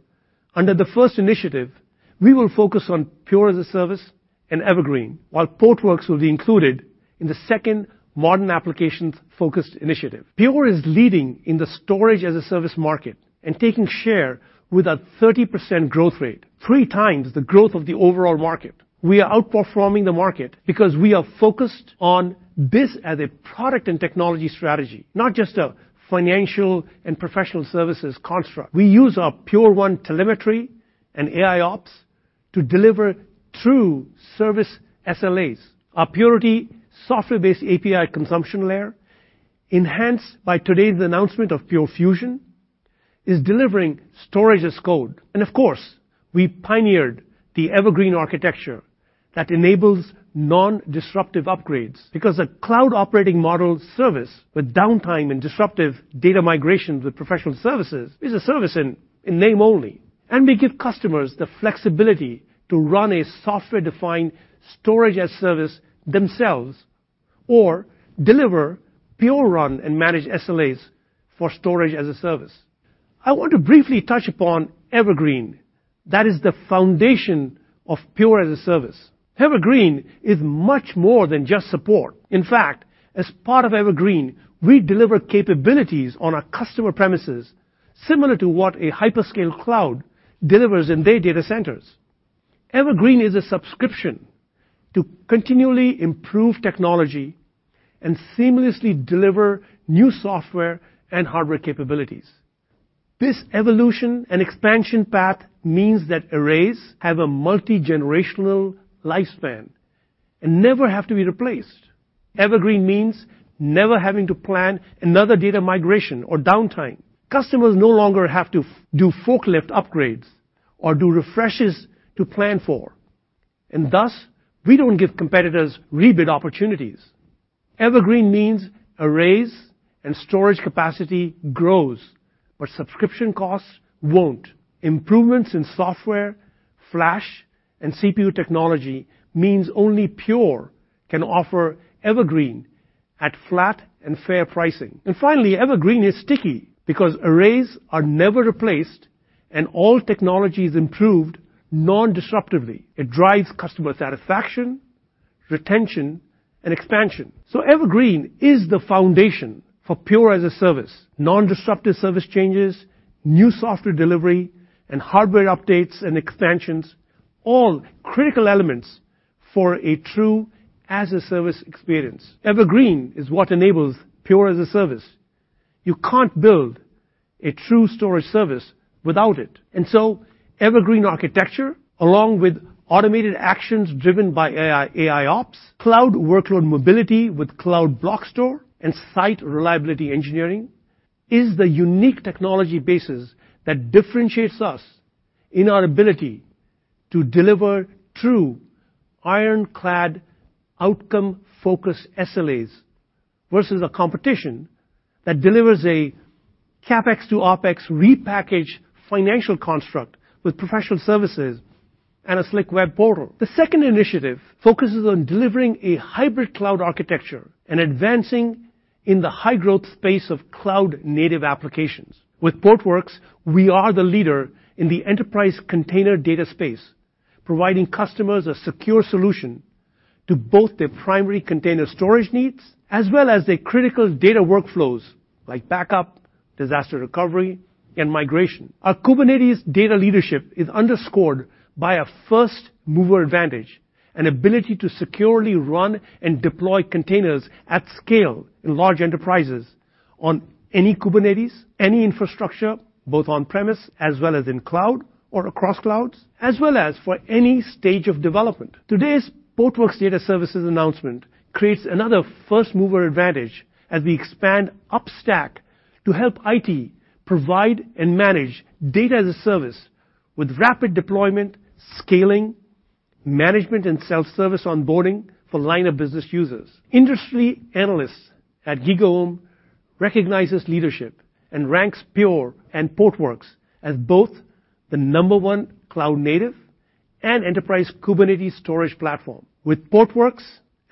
under the first initiative, we will focus on Pure as-a-Service and Evergreen, while Portworx will be included in the second modern applications-focused initiative. Pure is leading in the storage-as-a-service market and taking share with a 30% growth rate, 3x the growth of the overall market. We are outperforming the market because we are focused on this as a product and technology strategy, not just a financial and professional services construct. We use our Pure1 telemetry and AIOps to deliver true service SLAs. Our Purity software-based API consumption layer, enhanced by today's announcement of Pure Fusion, is delivering storage as code. Of course, we pioneered the Evergreen architecture that enables non-disruptive upgrades because a cloud operating model service with downtime and disruptive data migrations with professional services is a service in name only. We give customers the flexibility to run a software-defined storage as a service themselves or deliver Pure run and manage SLAs for storage as a service. I want to briefly touch upon Evergreen. That is the foundation of Pure as-a-Service. Evergreen is much more than just support. In fact, as part of Evergreen, we deliver capabilities on our customer premises similar to what a hyperscale cloud delivers in their data centers. Evergreen is a subscription to continually improve technology and seamlessly deliver new software and hardware capabilities. This evolution and expansion path means that arrays have a multi-generational lifespan and never have to be replaced. Evergreen means never having to plan another data migration or downtime. Customers no longer have to do forklift upgrades or do refreshes to plan for, and thus, we don't give competitors rebid opportunities. Evergreen means arrays and storage capacity grows, but subscription costs won't. Improvements in software, flash, and CPU technology means only Pure can offer Evergreen at flat and fair pricing. Finally, Evergreen is sticky because arrays are never replaced and all technology is improved non-disruptively. It drives customer satisfaction, retention, and expansion. Evergreen is the foundation for Pure as-a-Service. Nondisruptive service changes, new software delivery, and hardware updates and expansions, all critical elements for a true as-a-service experience. Evergreen is what enables Pure as-a-Service. You can't build a true storage service without it. Evergreen architecture, along with automated actions driven by AI, AIOps, cloud workload mobility with Cloud Block Store, and site reliability engineering, is the unique technology basis that differentiates us in our ability to deliver true ironclad outcome-focused SLAs versus a competition that delivers a CapEx to OpEx repackaged financial construct with professional services and a slick web portal. The second initiative focuses on delivering a hybrid cloud architecture and advancing in the high-growth space of cloud-native applications. With Portworx, we are the leader in the enterprise container data space, providing customers a secure solution to both their primary container storage needs as well as their critical data workflows like backup, disaster recovery, and migration. Our Kubernetes data leadership is underscored by a first-mover advantage and ability to securely run and deploy containers at scale in large enterprises on any Kubernetes, any infrastructure, both on-premise as well as in cloud or across clouds, as well as for any stage of development. Today's Portworx Data Services announcement creates another first-mover advantage as we expand upstack to help IT provide and manage Data as a Service with rapid deployment, scaling, management, and self-service onboarding for line-of-business users. Industry analysts at GigaOm recognize this leadership and rank Pure and Portworx as both the number 1 cloud-native and enterprise Kubernetes storage platform. With Portworx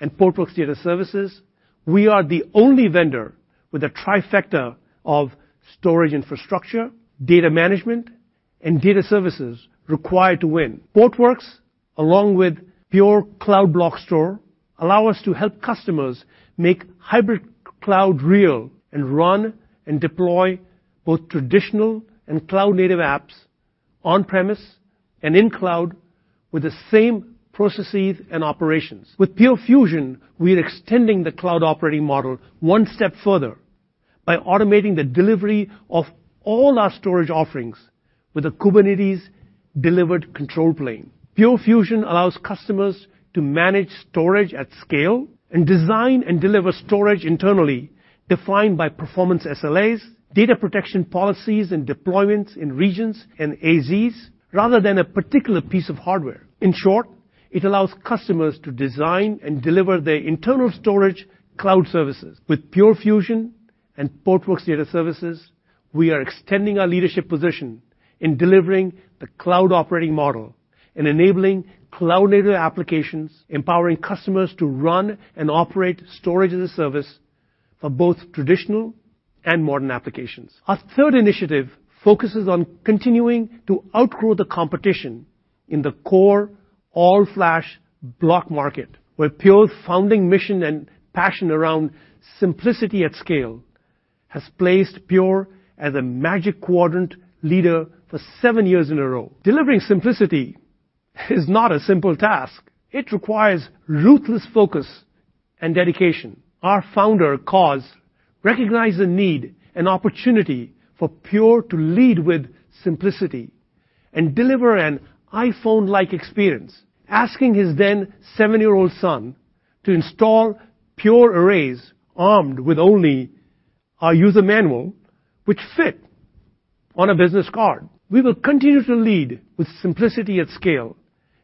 and Portworx Data Services, we are the only vendor with a trifecta of storage infrastructure, data management, and data services required to win. Portworx, along with Pure Cloud Block Store, allow us to help customers make hybrid cloud real and run and deploy both traditional and cloud-native apps on-premise and in cloud with the same processes and operations. With Pure Fusion, we're extending the cloud operating model one step further by automating the delivery of all our storage offerings with a Kubernetes-delivered control plane. Pure Fusion allows customers to manage storage at scale and design and deliver storage internally defined by performance SLAs, data protection policies, and deployments in regions and AZs rather than a particular piece of hardware. In short, it allows customers to design and deliver their internal storage cloud services. With Pure Fusion and Portworx Data Services, we are extending our leadership position in delivering the cloud operating model and enabling cloud-native applications, empowering customers to run and operate storage as a service for both traditional and modern applications. Our third initiative focuses on continuing to outgrow the competition in the core all-flash block market, where Pure's founding mission and passion around simplicity at scale has placed Pure as a Magic Quadrant leader for seven years in a row. Delivering simplicity is not a simple task. It requires ruthless focus and dedication. Our founder, Coz, recognized the need and opportunity for Pure to lead with simplicity and deliver an iPhone-like experience, asking his then seven-year-old son to install Pure arrays armed with only our user manual, which fit on a business card. We will continue to lead with simplicity at scale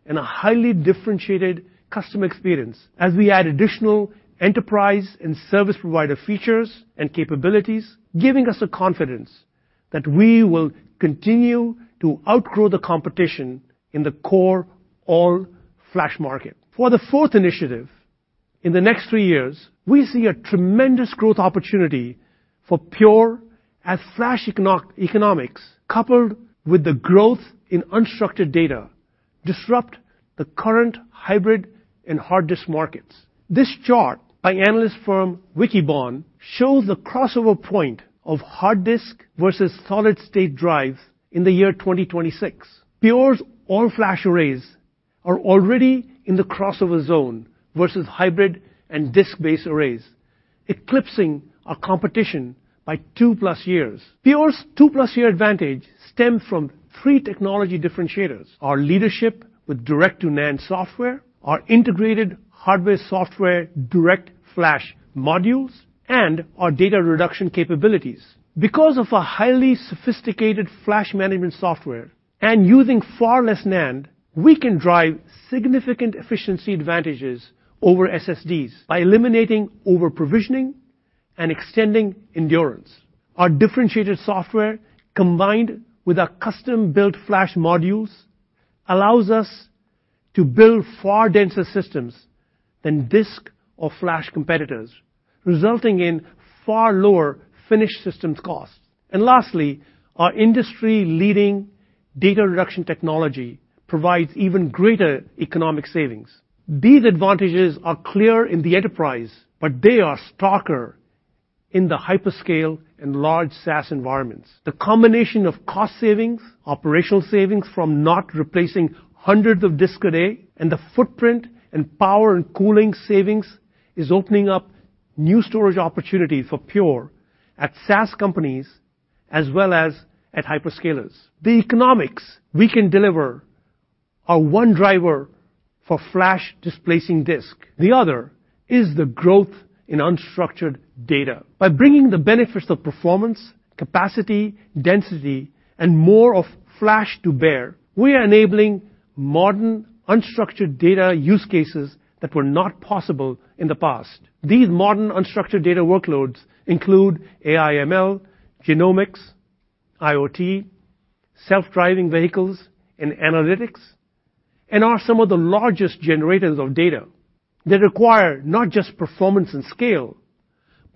and a highly differentiated customer experience as we add additional enterprise and service provider features and capabilities, giving us the confidence that we will continue to outgrow the competition in the core all-flash market. For the fourth initiative, in the next three years, we see a tremendous growth opportunity for Pure as flash economics coupled with the growth in unstructured data disrupt the current hybrid and hard disk markets. This chart by analyst firm Wikibon shows the crossover point of hard disk versus solid-state drives in the year 2026. Pure's all-flash arrays are already in the crossover zone versus hybrid and disk-based arrays, eclipsing our competition by two-plus years. Pure's two-plus-year advantage stems from three technology differentiators: our leadership with direct-to-NAND software, our integrated hardware/software DirectFlash modules, and our data reduction capabilities. Because of our highly sophisticated flash management software and using far less NAND, we can drive significant efficiency advantages over SSDs by eliminating overprovisioning and extending endurance. Our differentiated software, combined with our custom-built flash modules, allows us to build far denser systems than disk or flash competitors, resulting in far lower finished systems costs. Lastly, our industry-leading data reduction technology provides even greater economic savings. These advantages are clear in the enterprise, but they are starker in the hyperscale and large SaaS environments. The combination of cost savings, operational savings from not replacing hundreds of disk a day, and the footprint in power and cooling savings is opening up new storage opportunities for Pure at SaaS companies, as well as at hyperscalers. The economics we can deliver are one driver for flash displacing disk. The other is the growth in unstructured data. By bringing the benefits of performance, capacity, density, and more of flash to bear, we are enabling modern unstructured data use cases that were not possible in the past. These modern unstructured data workloads include AI/ML, genomics, IoT, self-driving vehicles, and analytics, and are some of the largest generators of data that require not just performance and scale,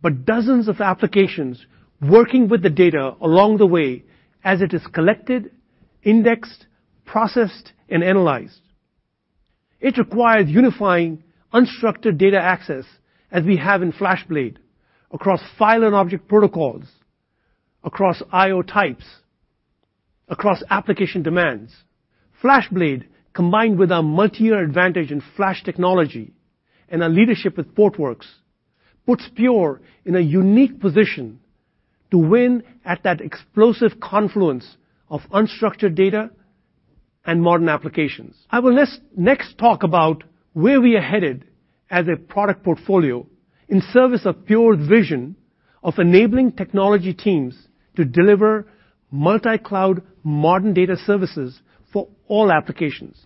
but dozens of applications working with the data along the way as it is collected, indexed, processed, and analyzed. It requires unifying unstructured data access, as we have in FlashBlade, across file and object protocols, across IO types, across application demands. FlashBlade, combined with our multi-year advantage in flash technology and our leadership with Portworx, puts Pure in a unique position to win at that explosive confluence of unstructured data and modern applications. I will next talk about where we are headed as a product portfolio in service of Pure vision of enabling technology teams to deliver multi-cloud modern data services for all applications.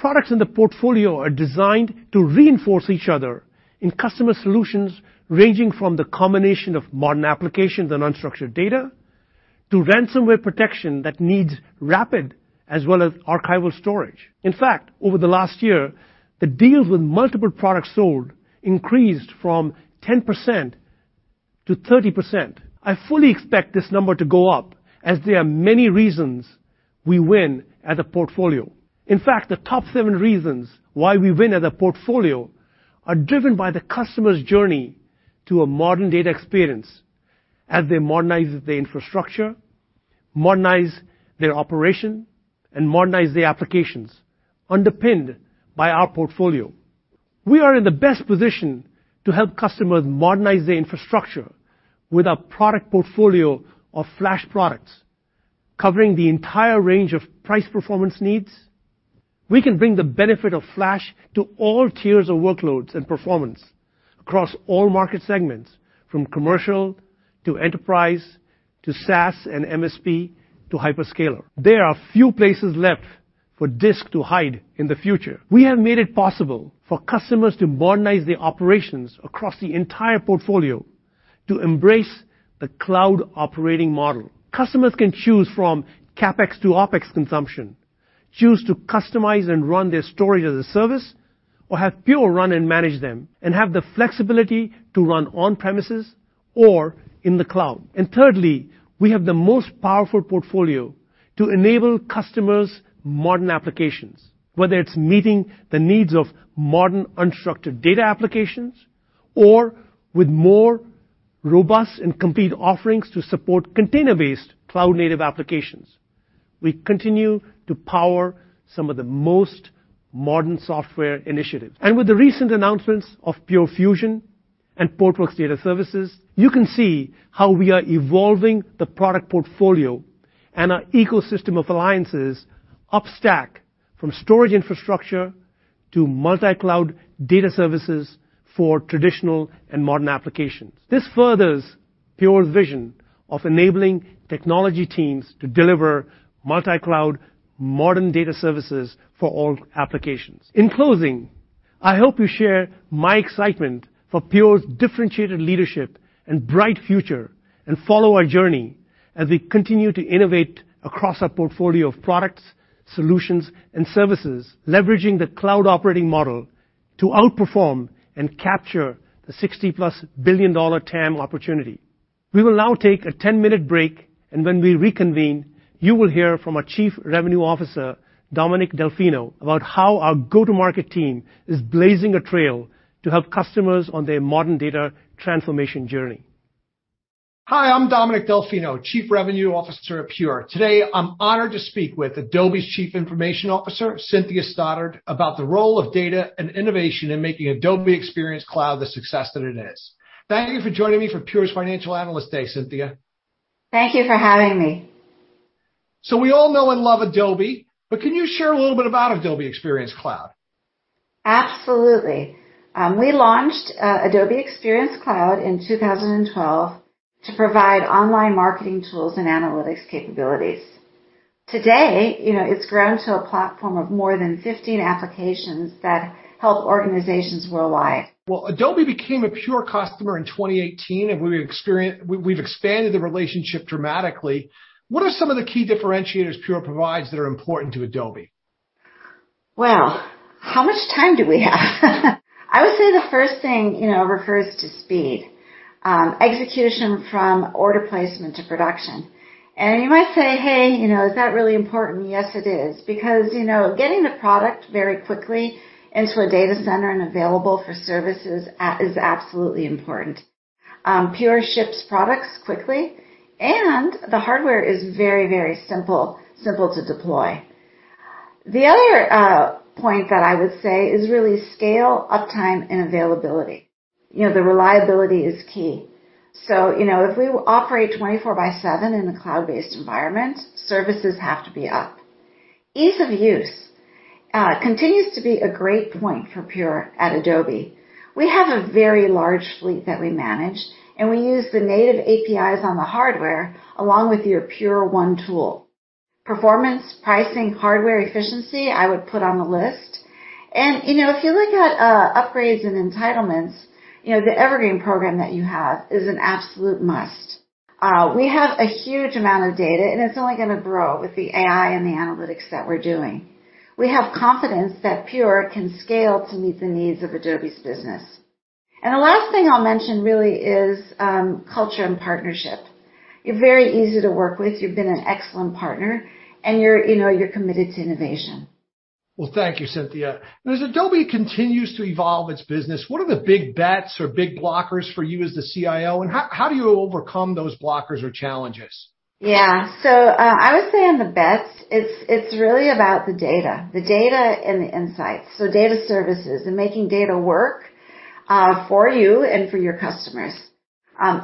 Products in the portfolio are designed to reinforce each other in customer solutions ranging from the combination of modern applications and unstructured data to ransomware protection that needs rapid as well as archival storage. Over the last year, the deals with multiple products sold increased from 10% to 30%. I fully expect this number to go up, as there are many reasons we win as a portfolio. The top 7 reasons why we win as a portfolio are driven by the customer's journey to a modern data experience as they modernize the infrastructure, modernize their operation, and modernize the applications underpinned by our portfolio. We are in the best position to help customers modernize their infrastructure with our product portfolio of flash products covering the entire range of price-performance needs. We can bring the benefit of flash to all tiers of workloads and performance across all market segments, from commercial to enterprise to SaaS and MSP to hyperscaler. There are few places left for disk to hide in the future. We have made it possible for customers to modernize their operations across the entire portfolio to embrace the cloud operating model. Customers can choose from CapEx to OpEx consumption, choose to customize and run their storage as a service, or have Pure run and manage them, and have the flexibility to run on premises or in the cloud. Thirdly, we have the most powerful portfolio to enable customers' modern applications. Whether it's meeting the needs of modern unstructured data applications or with more robust and complete offerings to support container-based cloud-native applications, we continue to power some of the most modern software initiatives. With the recent announcements of Pure Fusion and Portworx Data Services, you can see how we are evolving the product portfolio and our ecosystem of alliances upstack from storage infrastructure to multi-cloud data services for traditional and modern applications. This furthers Pure's vision of enabling technology teams to deliver multi-cloud modern data services for all applications. In closing, I hope you share my excitement for Pure's differentiated leadership and bright future and follow our journey as we continue to innovate across our portfolio of products, solutions, and services, leveraging the cloud operating model to outperform and capture the $60+ billion TAM opportunity. We will now take a 10-minute break. When we reconvene, you will hear from our Chief Revenue Officer, Dominick Delfino, about how our go-to-market team is blazing a trail to help customers on their modern data transformation journey. Hi, I'm Dominick Delfino, Chief Revenue Officer at Pure. Today, I'm honored to speak with Adobe's Chief Information Officer, Cynthia Stoddard, about the role of data and innovation in making Adobe Experience Cloud the success that it is. Thank you for joining me for Pure's Financial Analyst Day, Cynthia. Thank you for having me. We all know and love Adobe, but can you share a little bit about Adobe Experience Cloud? Absolutely. We launched Adobe Experience Cloud in 2012 to provide online marketing tools and analytics capabilities. Today, it's grown to a platform of more than 50 applications that help organizations worldwide. Well, Adobe became an Pure customer in 2018. We've expanded the relationship dramatically. What are some of the key differentiators Pure provides that are important to Adobe? Well, how much time do we have? I would say the first thing refers to speed. Execution from order placement to production. You might say, "Hey, is that really important?" Yes, it is because getting the product very quickly into a data center and available for services is absolutely important. Pure ships products quickly, and the hardware is very, very simple to deploy. The other point that I would say is really scale, uptime, and availability. The reliability is key. If we operate 24 by 7 in the cloud-based environment, services have to be up. Ease of use continues to be a great point for Pure at Adobe. We have a very large fleet that we manage, and we use the native APIs on the hardware along with your Pure1 tool. Performance, pricing, hardware efficiency, I would put on the list. If you look at upgrades and entitlements, the Evergreen program that you have is an absolute must. We have a huge amount of data, and it's only going to grow with the AI and the analytics that we're doing. We have confidence that Pure can scale to meet the needs of Adobe's business. The last thing I'll mention really is culture and partnership. You're very easy to work with. You've been an excellent partner, and you're committed to innovation. Well, thank you, Cynthia. As Adobe continues to evolve its business, what are the big bets or big blockers for you as the CIO, and how do you overcome those blockers or challenges? I would say on the bets, it's really about the data, the data and the insights. Data services and making data work for you and for your customers.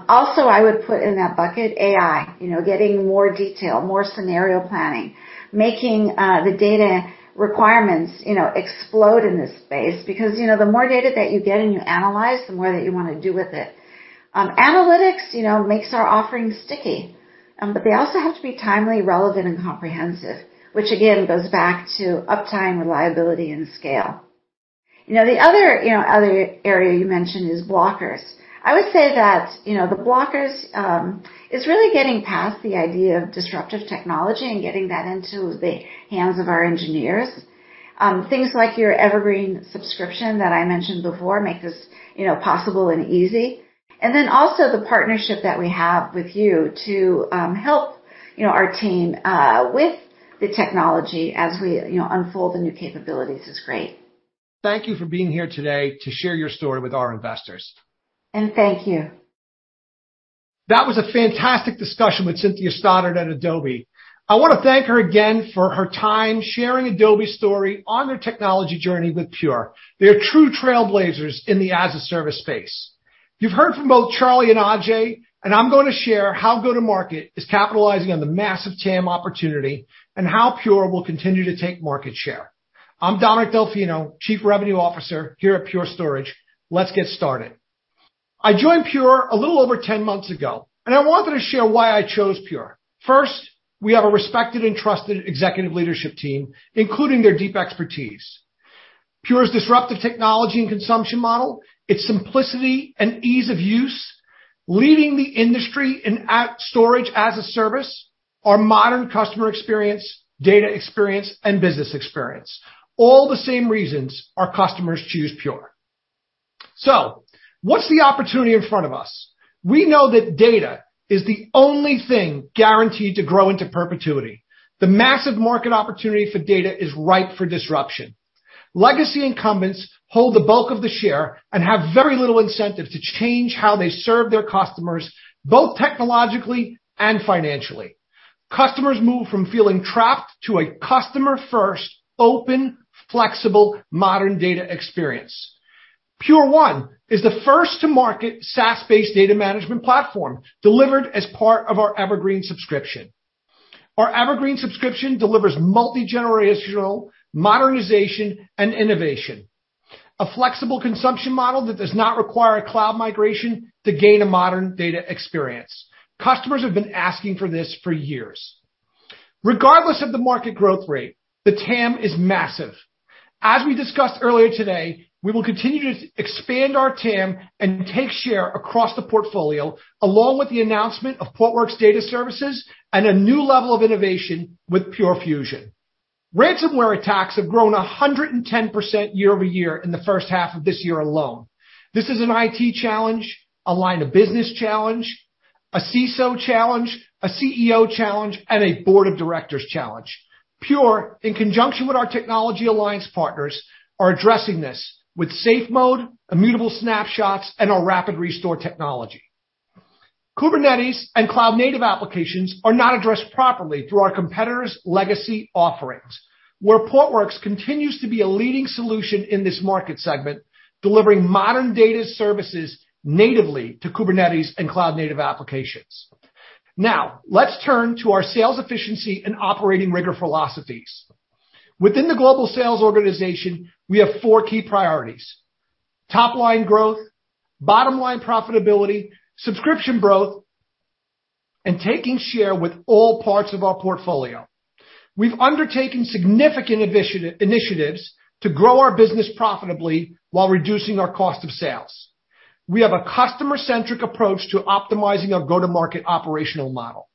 Also, I would put in that bucket AI, getting more detail, more scenario planning. Making the data requirements explode in this space because the more data that you get and you analyze, the more that you want to do with it. Analytics makes our offerings sticky. They also have to be timely, relevant, and comprehensive, which again goes back to uptime, reliability, and scale. The other area you mentioned is blockers. I would say that the blockers is really getting past the idea of disruptive technology and getting that into the hands of our engineers. Things like your Evergreen subscription that I mentioned before make this possible and easy. The partnership that we have with you to help our team with the technology as we unfold the new capabilities is great. Thank you for being here today to share your story with our investors. Thank you. That was a fantastic discussion with Cynthia Stoddard at Adobe. I want to thank her again for her time sharing Adobe's story on their technology journey with Pure. They are true trailblazers in the as-a-service space. You've heard from both Charlie and Ajay. I'm going to share how go-to-market is capitalizing on the massive TAM opportunity and how Pure will continue to take market share. I'm Dominick Delfino, Chief Revenue Officer here at Pure Storage. Let's get started. I joined Pure a little over 10 months ago. I wanted to share why I chose Pure. First, we have a respected and trusted executive leadership team, including their deep expertise. Pure's disruptive technology and consumption model, its simplicity and ease of use, leading the industry in storage as a service, our modern customer experience, data experience, and business experience. All the same reasons our customers choose Pure. What's the opportunity in front of us? We know that data is the only thing guaranteed to grow into perpetuity. The massive market opportunity for data is ripe for disruption. Legacy incumbents hold the bulk of the share and have very little incentive to change how they serve their customers, both technologically and financially. Customers move from feeling trapped to a customer-first, open, flexible, modern data experience. Pure1 is the first-to-market SaaS-based data management platform delivered as part of our Evergreen subscription. Our Evergreen subscription delivers multi-generational modernization and innovation. A flexible consumption model that does not require a cloud migration to gain a modern data experience. Customers have been asking for this for years. Regardless of the market growth rate, the TAM is massive. As we discussed earlier today, we will continue to expand our TAM and take share across the portfolio, along with the announcement of Portworx Data Services and a new level of innovation with Pure Fusion. Ransomware attacks have grown 110% year-over-year in the first half of this year alone. This is an IT challenge, a line of business challenge, a CISO challenge, a CEO challenge, and a Board of Directors challenge. Pure, in conjunction with our technology alliance partners, are addressing this with SafeMode, immutable snapshots, and our rapid restore technology. Kubernetes and cloud-native applications are not addressed properly through our competitors' legacy offerings. Portworx continues to be a leading solution in this market segment, delivering modern data services natively to Kubernetes and cloud-native applications. Let's turn to our sales efficiency and operating rigor philosophies. Within the global sales organization, we have four key priorities: top-line growth, bottom-line profitability, subscription growth, and taking share with all parts of our portfolio. We've undertaken significant initiatives to grow our business profitably while reducing our cost of sales. We have a customer-centric approach to optimizing our go-to-market operational model.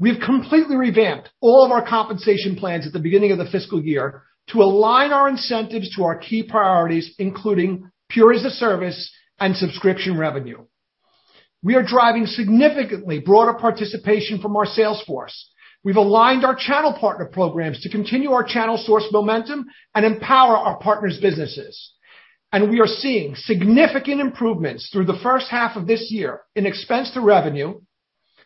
We've completely revamped all of our compensation plans at the beginning of the fiscal year to align our incentives to our key priorities, including Pure as-a-Service and subscription revenue. We are driving significantly broader participation from our sales force. We've aligned our channel partner programs to continue our channel source momentum and empower our partners' businesses. We are seeing significant improvements through the first half of this year in expense to revenue,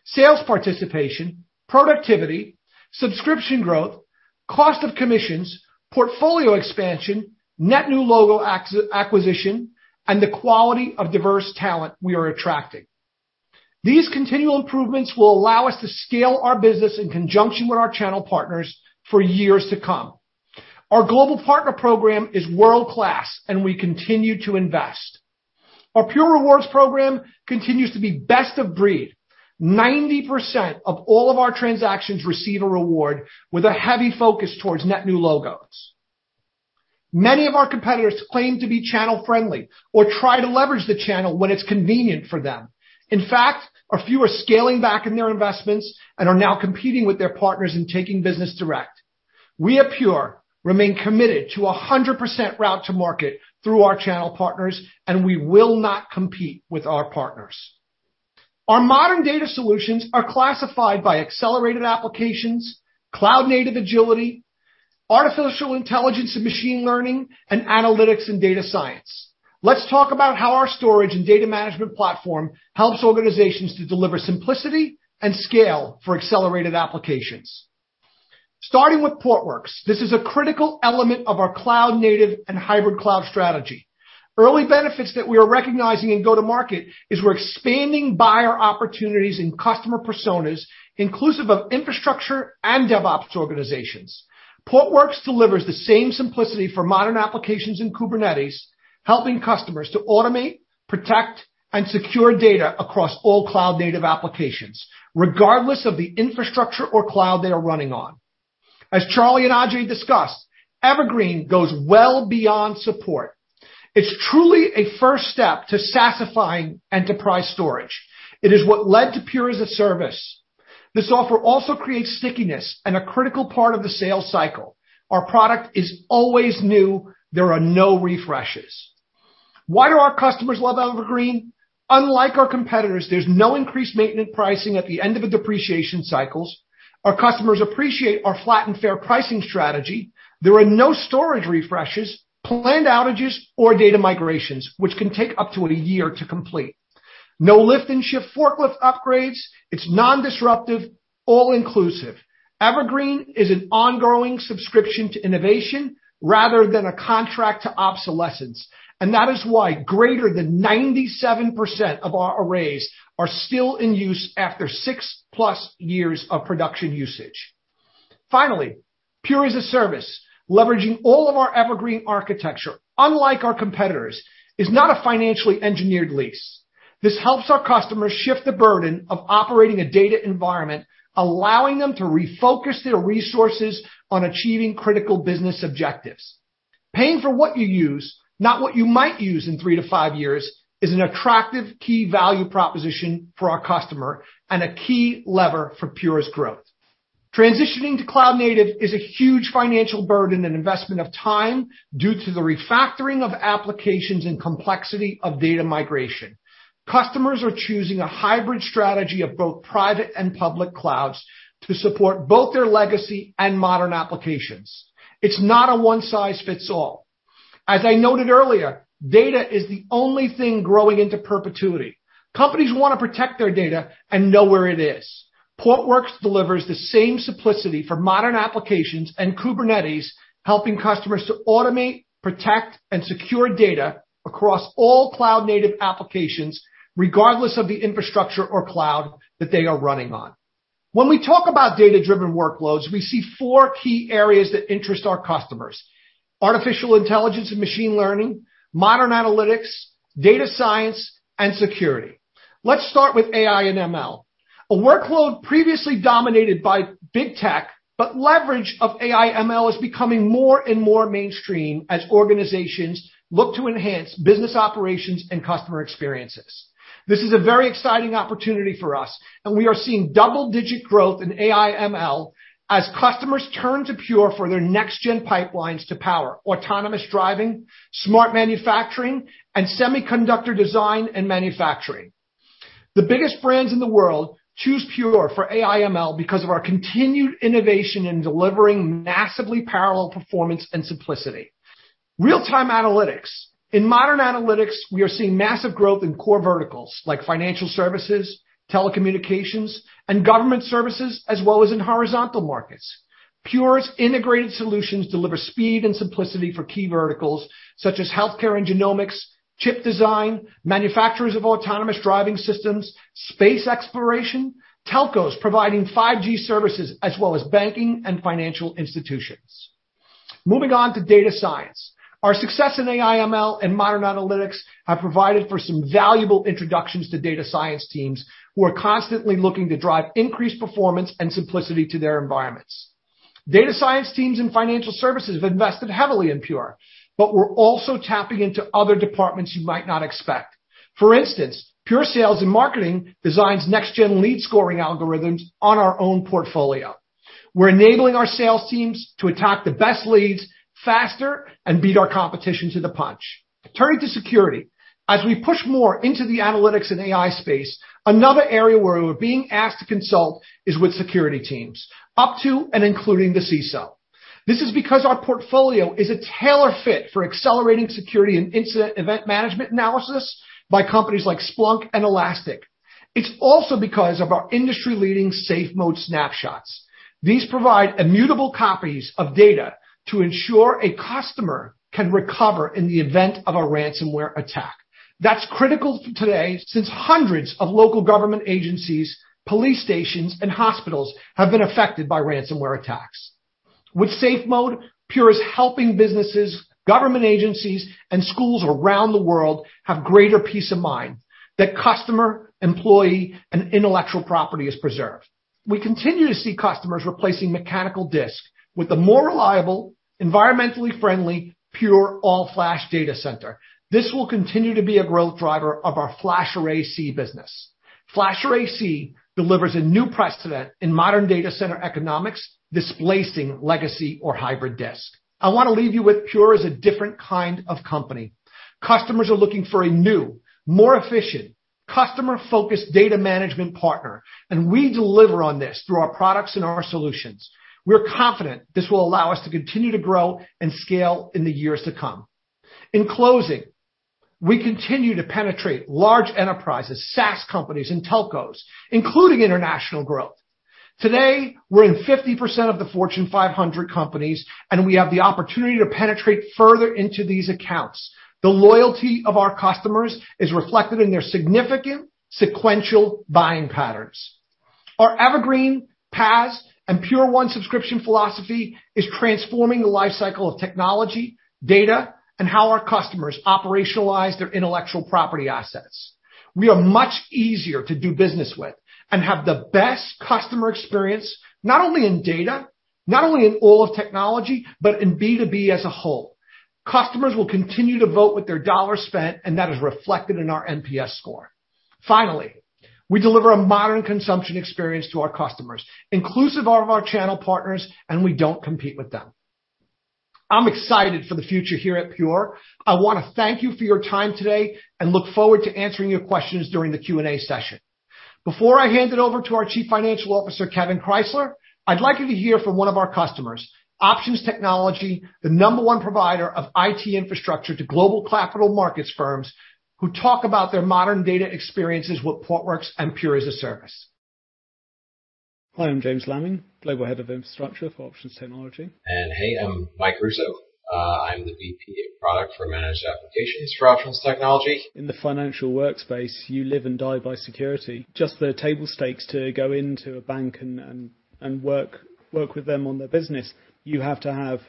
sales participation, productivity, subscription growth, cost of commissions, portfolio expansion, net new logo acquisition, and the quality of diverse talent we are attracting. These continual improvements will allow us to scale our business in conjunction with our channel partners for years to come. Our global partner program is world-class. We continue to invest. Our Pure Rewards program continues to be best of breed. Ninety percent of all of our transactions receive a reward with a heavy focus towards net new logos. Many of our competitors claim to be channel-friendly or try to leverage the channel when it's convenient for them. In fact, a few are scaling back in their investments and are now competing with their partners in taking business direct. We at Pure remain committed to 100% route to market through our channel partners. We will not compete with our partners. Our modern data solutions are classified by accelerated applications, cloud-native agility, artificial intelligence and machine learning, and analytics and data science. Let's talk about how our storage and data management platform helps organizations to deliver simplicity and scale for accelerated applications. Starting with Portworx, this is a critical element of our cloud-native and hybrid cloud strategy. Early benefits that we are recognizing in go-to-market is we're expanding buyer opportunities and customer personas, inclusive of infrastructure and DevOps organizations. Portworx delivers the same simplicity for modern applications in Kubernetes, helping customers to automate, protect, and secure data across all cloud-native applications, regardless of the infrastructure or cloud they are running on. As Charlie and Ajay discussed, Evergreen goes well beyond support. It's truly a first step to SaaSifying enterprise storage. It is what led to Pure as-a-Service. This offer also creates stickiness and a critical part of the sales cycle. Our product is always new. There are no refreshes. Why do our customers love Evergreen? Unlike our competitors, there's no increased maintenance pricing at the end of the depreciation cycles. Our customers appreciate our flat and fair pricing strategy. There are no storage refreshes, planned outages, or data migrations, which can take up to a year to complete. No lift and shift forklift upgrades. It's non-disruptive, all-inclusive. Evergreen is an ongoing subscription to innovation rather than a contract to obsolescence. That is why greater than 97% of our arrays are still in use after six-plus years of production usage. Finally, Pure as-a-Service, leveraging all of our Evergreen architecture, unlike our competitors, is not a financially engineered lease. This helps our customers shift the burden of operating a data environment, allowing them to refocus their resources on achieving critical business objectives. Paying for what you use, not what you might use in three to five years, is an attractive key value proposition for our customer and a key lever for Pure's growth. Transitioning to cloud-native is a huge financial burden and investment of time due to the refactoring of applications and complexity of data migration. Customers are choosing a hybrid strategy of both private and public clouds to support both their legacy and modern applications. It's not a one-size-fits-all. As I noted earlier, data is the only thing growing into perpetuity. Companies want to protect their data and know where it is. Portworx delivers the same simplicity for modern applications and Kubernetes, helping customers to automate, protect, and secure data across all cloud-native applications, regardless of the infrastructure or cloud that they are running on. When we talk about data-driven workloads, we see four key areas that interest our customers. Artificial intelligence and machine learning, modern analytics, data science, and security. Let's start with AI and ML. A workload previously dominated by big tech, but leverage of AI/ML is becoming more and more mainstream as organizations look to enhance business operations and customer experiences. This is a very exciting opportunity for us, and we are seeing double-digit growth in AI/ML as customers turn to Pure for their next-gen pipelines to power autonomous driving, smart manufacturing, and semiconductor design and manufacturing. The biggest brands in the world choose Pure for AI/ML because of our continued innovation in delivering massively parallel performance and simplicity. Real-time analytics. In modern analytics, we are seeing massive growth in core verticals like financial services, telecommunications, and government services, as well as in horizontal markets. Pure's integrated solutions deliver speed and simplicity for key verticals such as healthcare and genomics, chip design, manufacturers of autonomous driving systems, space exploration, telcos providing 5G services, as well as banking and financial institutions. Moving on to data science. Our success in AI/ML and modern analytics have provided for some valuable introductions to data science teams who are constantly looking to drive increased performance and simplicity to their environments. Data science teams and financial services have invested heavily in Pure, but we're also tapping into other departments you might not expect. For instance, Pure sales and marketing designs next-gen lead scoring algorithms on our own portfolio. We're enabling our sales teams to attack the best leads faster and beat our competition to the punch. Turning to security, as we push more into the analytics and AI space, another area where we're being asked to consult is with security teams, up to and including the CISO. This is because our portfolio is a tailor fit for accelerating security and incident event management analysis by companies like Splunk and Elastic. It's also because of our industry-leading SafeMode snapshots. These provide immutable copies of data to ensure a customer can recover in the event of a ransomware attack. That's critical today since hundreds of local government agencies, police stations, and hospitals have been affected by ransomware attacks. With SafeMode, Pure is helping businesses, government agencies, and schools around the world have greater peace of mind that customer, employee, and intellectual property is preserved. We continue to see customers replacing mechanical disk with the more reliable, environmentally friendly, Pure all-flash data center. This will continue to be a growth driver of our FlashArray//C business. FlashArray//C delivers a new precedent in modern data center economics, displacing legacy or hybrid disk. I want to leave you with Pure as a different kind of company. Customers are looking for a new, more efficient, customer-focused data management partner, and we deliver on this through our products and our solutions. We're confident this will allow us to continue to grow and scale in the years to come. In closing, we continue to penetrate large enterprises, SaaS companies, and telcos, including international growth. Today, we're in 50% of the Fortune 500 companies, and we have the opportunity to penetrate further into these accounts. The loyalty of our customers is reflected in their significant sequential buying patterns. Our Evergreen PaaS and Pure1 subscription philosophy is transforming the life cycle of technology, data, and how our customers operationalize their intellectual property assets. We are much easier to do business with and have the best customer experience, not only in data, not only in all of technology, but in B2B as a whole. Customers will continue to vote with their dollars spent, and that is reflected in our NPS score. Finally, we deliver a modern consumption experience to our customers, inclusive of our channel partners. We don't compete with them. I'm excited for the future here at Pure. I want to thank you for your time today and look forward to answering your questions during the Q&A session. Before I hand it over to our Chief Financial Officer, Kevan Krysler, I'd like you to hear from one of our customers, Options Technology, the number 1 provider of IT infrastructure to global capital markets firms, who talk about their modern data experiences with Portworx and Pure as-a-Service. Hi, I'm James Laming, Global Head of Infrastructure for Options Technology. Hey, I'm Mike Russo. I'm the VP of Product for Managed Applications for Options Technology. In the financial workspace, you live and die by security. Just the table stakes to go into a bank and work with them on their business, you have to have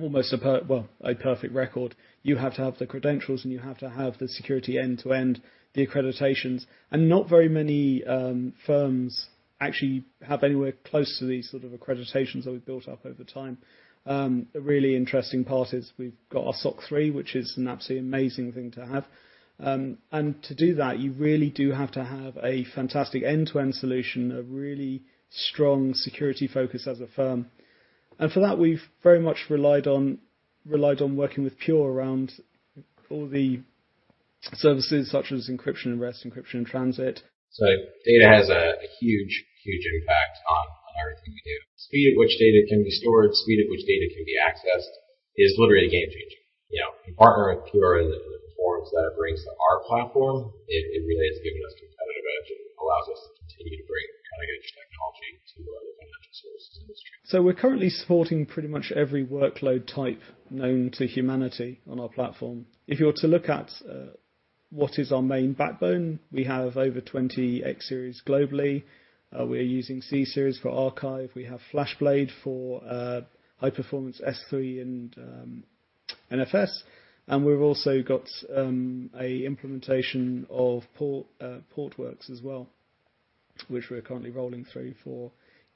almost, well, a perfect record. You have to have the credentials, you have to have the security end to end, the accreditations. Not very many firms actually have anywhere close to the sort of accreditations that we've built up over time. The really interesting part is we've got our SOC 3, which is an absolutely amazing thing to have. To do that, you really do have to have a fantastic end-to-end solution, a really strong security focus as a firm. For that, we've very much relied on working with Pure around all the services such as encryption at rest, encryption in transit. Data has a huge impact on everything we do. Speed at which data can be stored, speed at which data can be accessed is literally a game changer. Partnering with Pure and the performance that it brings to our platform, it really has given us competitive edge and allows us to continue to bring cutting-edge technology to the financial services industry. We're currently supporting pretty much every workload type known to humanity on our platform. If you were to look at what is our main backbone, we have over 20 X-Series globally. We are using C-Series for archive. We have FlashBlade for high-performance S3 and NFS. We've also got a implementation of Portworx as well, which we're currently rolling through for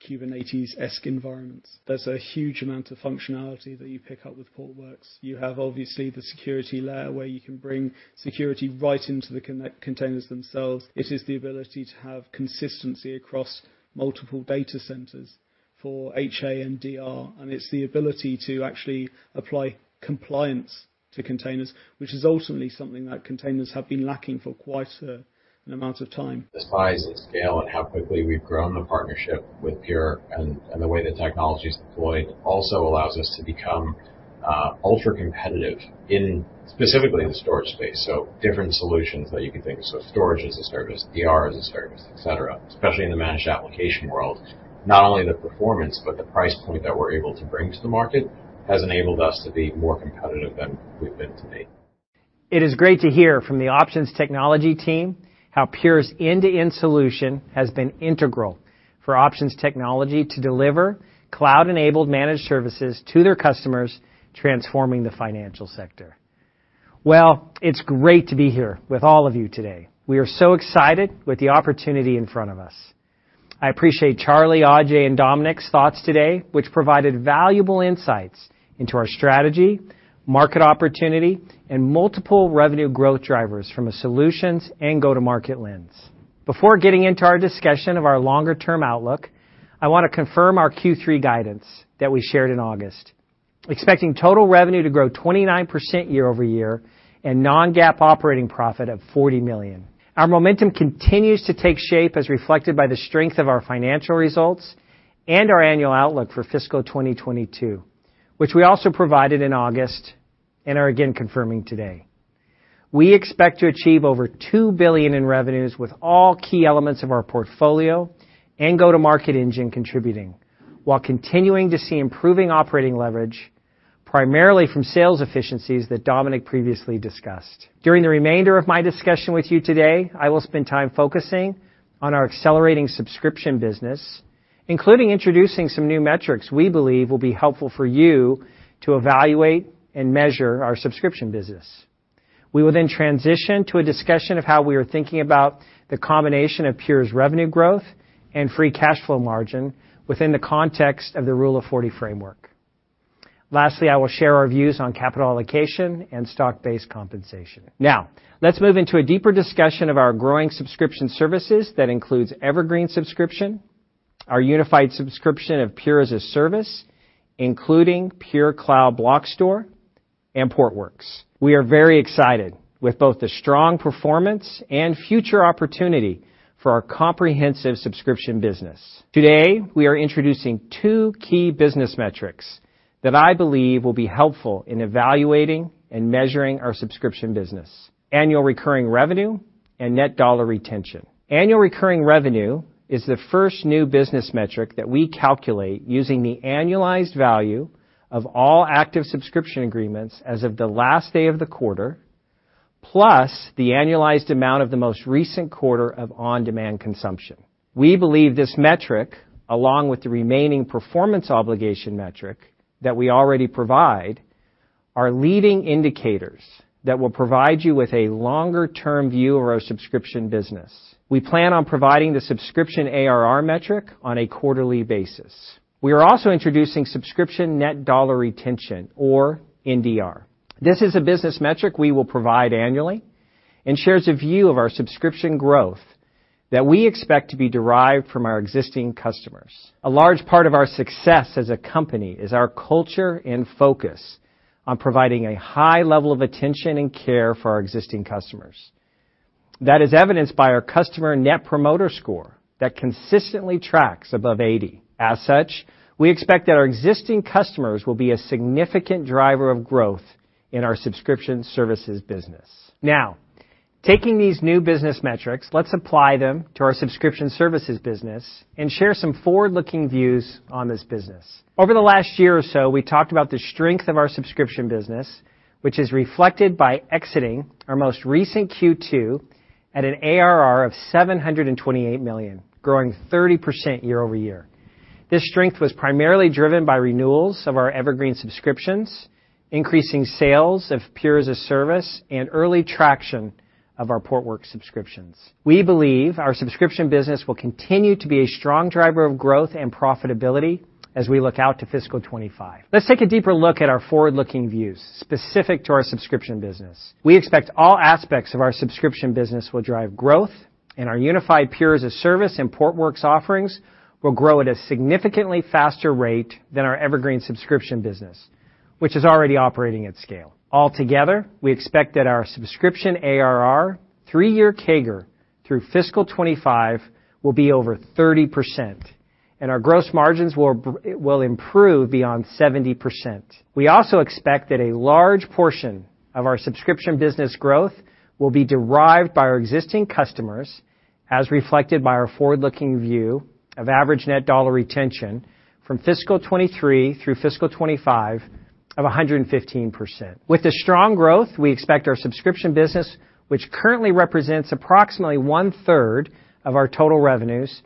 Kubernetes-esque environments. There's a huge amount of functionality that you pick up with Portworx. You have, obviously, the security layer where you can bring security right into the containers themselves. It is the ability to have consistency across multiple data centers for HA and DR, and it's the ability to actually apply compliance to containers, which is ultimately something that containers have been lacking for quite an amount of time. The size and scale and how quickly we've grown the partnership with Pure and the way the technology's deployed also allows us to become ultra-competitive in, specifically in the storage space. Different solutions that you can think of. Storage as a Service, DR as a Service, et cetera. Especially in the managed application world. Not only the performance, but the price point that we're able to bring to the market has enabled us to be more competitive than we've been to date. It is great to hear from the Options Technology team how Pure's end-to-end solution has been integral for Options Technology to deliver cloud-enabled managed services to their customers, transforming the financial sector. Well, it's great to be here with all of you today. We are so excited with the opportunity in front of us. I appreciate Charlie, Ajay, and Dominick's thoughts today, which provided valuable insights into our strategy, market opportunity, and multiple revenue growth drivers from a solutions and go-to-market lens. Before getting into our discussion of our longer-term outlook, I want to confirm our Q3 guidance that we shared in August. Expecting total revenue to grow 29% year-over-year and non-GAAP operating profit of $40 million. Our momentum continues to take shape as reflected by the strength of our financial results and our annual outlook for fiscal 2022, which we also provided in August and are again confirming today. We expect to achieve over $2 billion in revenues with all key elements of our portfolio and go-to-market engine contributing while continuing to see improving operating leverage, primarily from sales efficiencies that Dominick previously discussed. During the remainder of my discussion with you today, I will spend time focusing on our accelerating subscription business, including introducing some new metrics we believe will be helpful for you to evaluate and measure our subscription business. We will then transition to a discussion of how we are thinking about the combination of Pure's revenue growth and free cash flow margin within the context of the Rule of 40 framework. Lastly, I will share our views on capital allocation and stock-based compensation. Let's move into a deeper discussion of our growing subscription services that includes Evergreen subscription, our unified subscription of Pure as-a-Service, including Pure Cloud Block Store and Portworx. We are very excited with both the strong performance and future opportunity for our comprehensive subscription business. Today, we are introducing two key business metrics that I believe will be helpful in evaluating and measuring our subscription business, annual recurring revenue and net dollar retention. Annual recurring revenue is the first new business metric that we calculate using the annualized value of all active subscription agreements as of the last day of the quarter, plus the annualized amount of the most recent quarter of on-demand consumption. We believe this metric, along with the remaining performance obligation metric that we already provide, are leading indicators that will provide you with a longer-term view of our subscription business. We plan on providing the subscription ARR metric on a quarterly basis. We are also introducing subscription net dollar retention or NDR. This is a business metric we will provide annually and shares a view of our subscription growth that we expect to be derived from our existing customers. A large part of our success as a company is our culture and focus on providing a high level of attention and care for our existing customers. That is evidenced by our customer Net Promoter Score that consistently tracks above 80. We expect that our existing customers will be a significant driver of growth in our subscription services business. Taking these new business metrics, let's apply them to our subscription services business and share some forward-looking views on this business. Over the last year or so, we talked about the strength of our subscription business, which is reflected by exiting our most recent Q2 at an ARR of $728 million, growing 30% year-over-year. This strength was primarily driven by renewals of our Evergreen subscriptions, increasing sales of Pure as-a-Service, and early traction of our Portworx subscriptions. We believe our subscription business will continue to be a strong driver of growth and profitability as we look out to FY 2025. Let's take a deeper look at our forward-looking views specific to our subscription business. We expect all aspects of our subscription business will drive growth, and our unified Pure as-a-Service and Portworx offerings will grow at a significantly faster rate than our Evergreen subscription business, which is already operating at scale. Altogether, we expect that our subscription ARR three-year CAGR through FY 2025 will be over 30%, and our gross margins will improve beyond 70%. We also expect that a large portion of our subscription business growth will be derived by our existing customers, as reflected by our forward-looking view of average net dollar retention from fiscal 2023 through fiscal 2025 of 115%. With a strong growth, we expect our subscription business, which currently represents approximately 1/3 of our total revenues,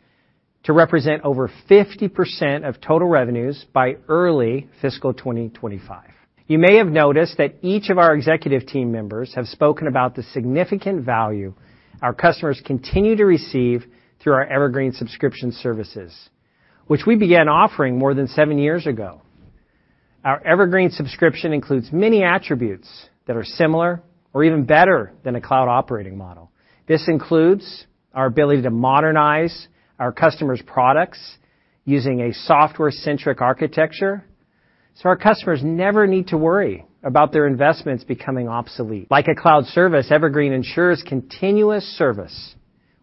to represent over 50% of total revenues by early fiscal 2025. You may have noticed that each of our executive team members have spoken about the significant value our customers continue to receive through our Evergreen subscription services, which we began offering more than seven years ago. Our Evergreen subscription includes many attributes that are similar or even better than a cloud operating model. This includes our ability to modernize our customers' products using a software-centric architecture so our customers never need to worry about their investments becoming obsolete. Like a cloud service, Evergreen ensures continuous service,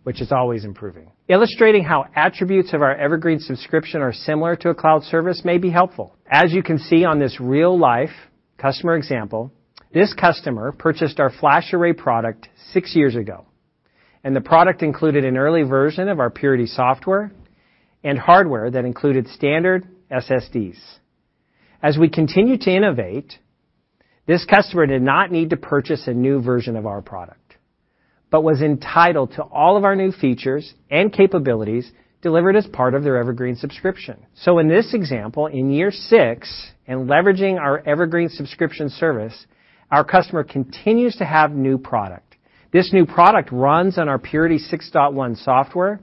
which is always improving. Illustrating how attributes of our Evergreen subscription are similar to a cloud service may be helpful. As you can see on this real-life customer example, this customer purchased our FlashArray product six years ago, and the product included an early version of our Purity software and hardware that included standard SSDs. Was entitled to all of our new features and capabilities delivered as part of their Evergreen subscription. In this example, in year six, in leveraging our Evergreen subscription service, our customer continues to have new product. This new product runs on our Purity 6.1 software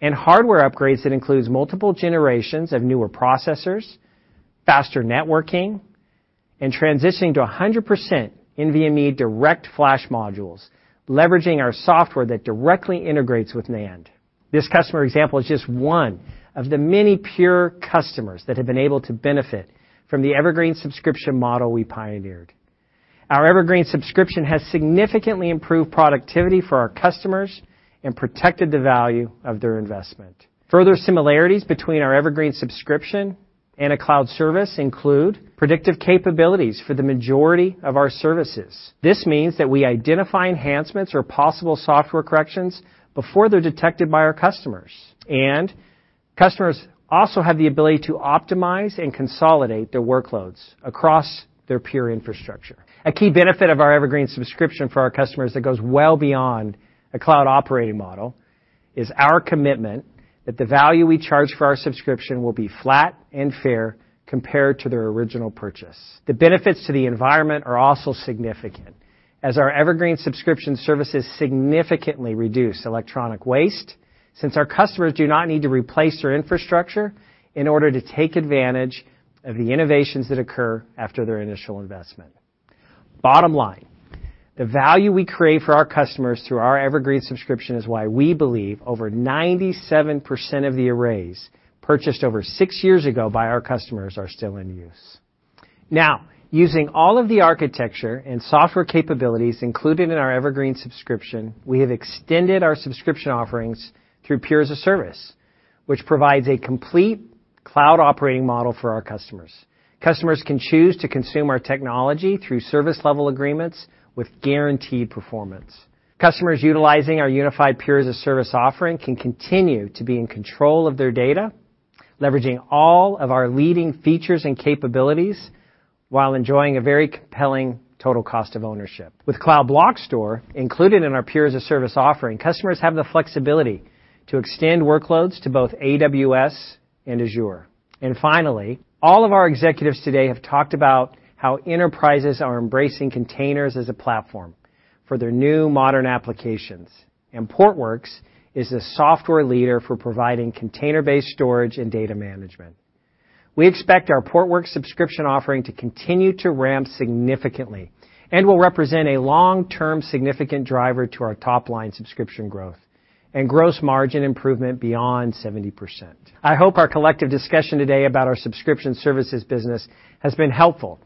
and hardware upgrades that includes multiple generations of newer processors, faster networking, and transitioning to 100% NVMe DirectFlash modules, leveraging our software that directly integrates with NAND. This customer example is just one of the many Pure customers that have been able to benefit from the Evergreen subscription model we pioneered. Our Evergreen subscription has significantly improved productivity for our customers and protected the value of their investment. Further similarities between our Evergreen subscription and a cloud service include predictive capabilities for the majority of our services. This means that we identify enhancements or possible software corrections before they're detected by our customers. Customers also have the ability to optimize and consolidate their workloads across their Pure infrastructure. A key benefit of our Evergreen subscription for our customers that goes well beyond a cloud operating model is our commitment that the value we charge for our subscription will be flat and fair compared to their original purchase. The benefits to the environment are also significant, as our Evergreen subscription services significantly reduce electronic waste since our customers do not need to replace their infrastructure in order to take advantage of the innovations that occur after their initial investment. Bottom line, the value we create for our customers through our Evergreen subscription is why we believe over 97% of the arrays purchased over six years ago by our customers are still in use. Now, using all of the architecture and software capabilities included in our Evergreen subscription, we have extended our subscription offerings through Pure as-a-Service, which provides a complete cloud operating model for our customers. Customers can choose to consume our technology through service level agreements with guaranteed performance. Customers utilizing our unified Pure as-a-Service offering can continue to be in control of their data, leveraging all of our leading features and capabilities while enjoying a very compelling total cost of ownership. With Cloud Block Store included in our Pure as-a-Service offering, customers have the flexibility to extend workloads to both AWS and Azure. Finally, all of our executives today have talked about how enterprises are embracing containers as a platform for their new modern applications. Portworx is a software leader for providing container-based storage and data management. We expect our Portworx subscription offering to continue to ramp significantly and will represent a long-term significant driver to our top-line subscription growth and gross margin improvement beyond 70%. I hope our collective discussion today about our subscription services business has been helpful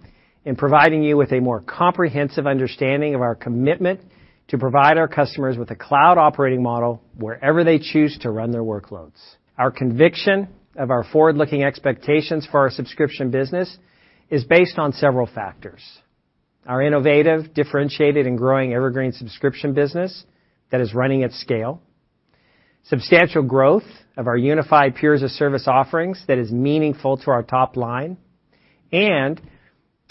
in providing you with a more comprehensive understanding of our commitment to provide our customers with a cloud operating model wherever they choose to run their workloads. Our conviction of our forward-looking expectations for our subscription business is based on several factors. Our innovative, differentiated, and growing Evergreen subscription business that is running at scale, substantial growth of our unified Pure as-a-Service offerings that is meaningful to our top line, and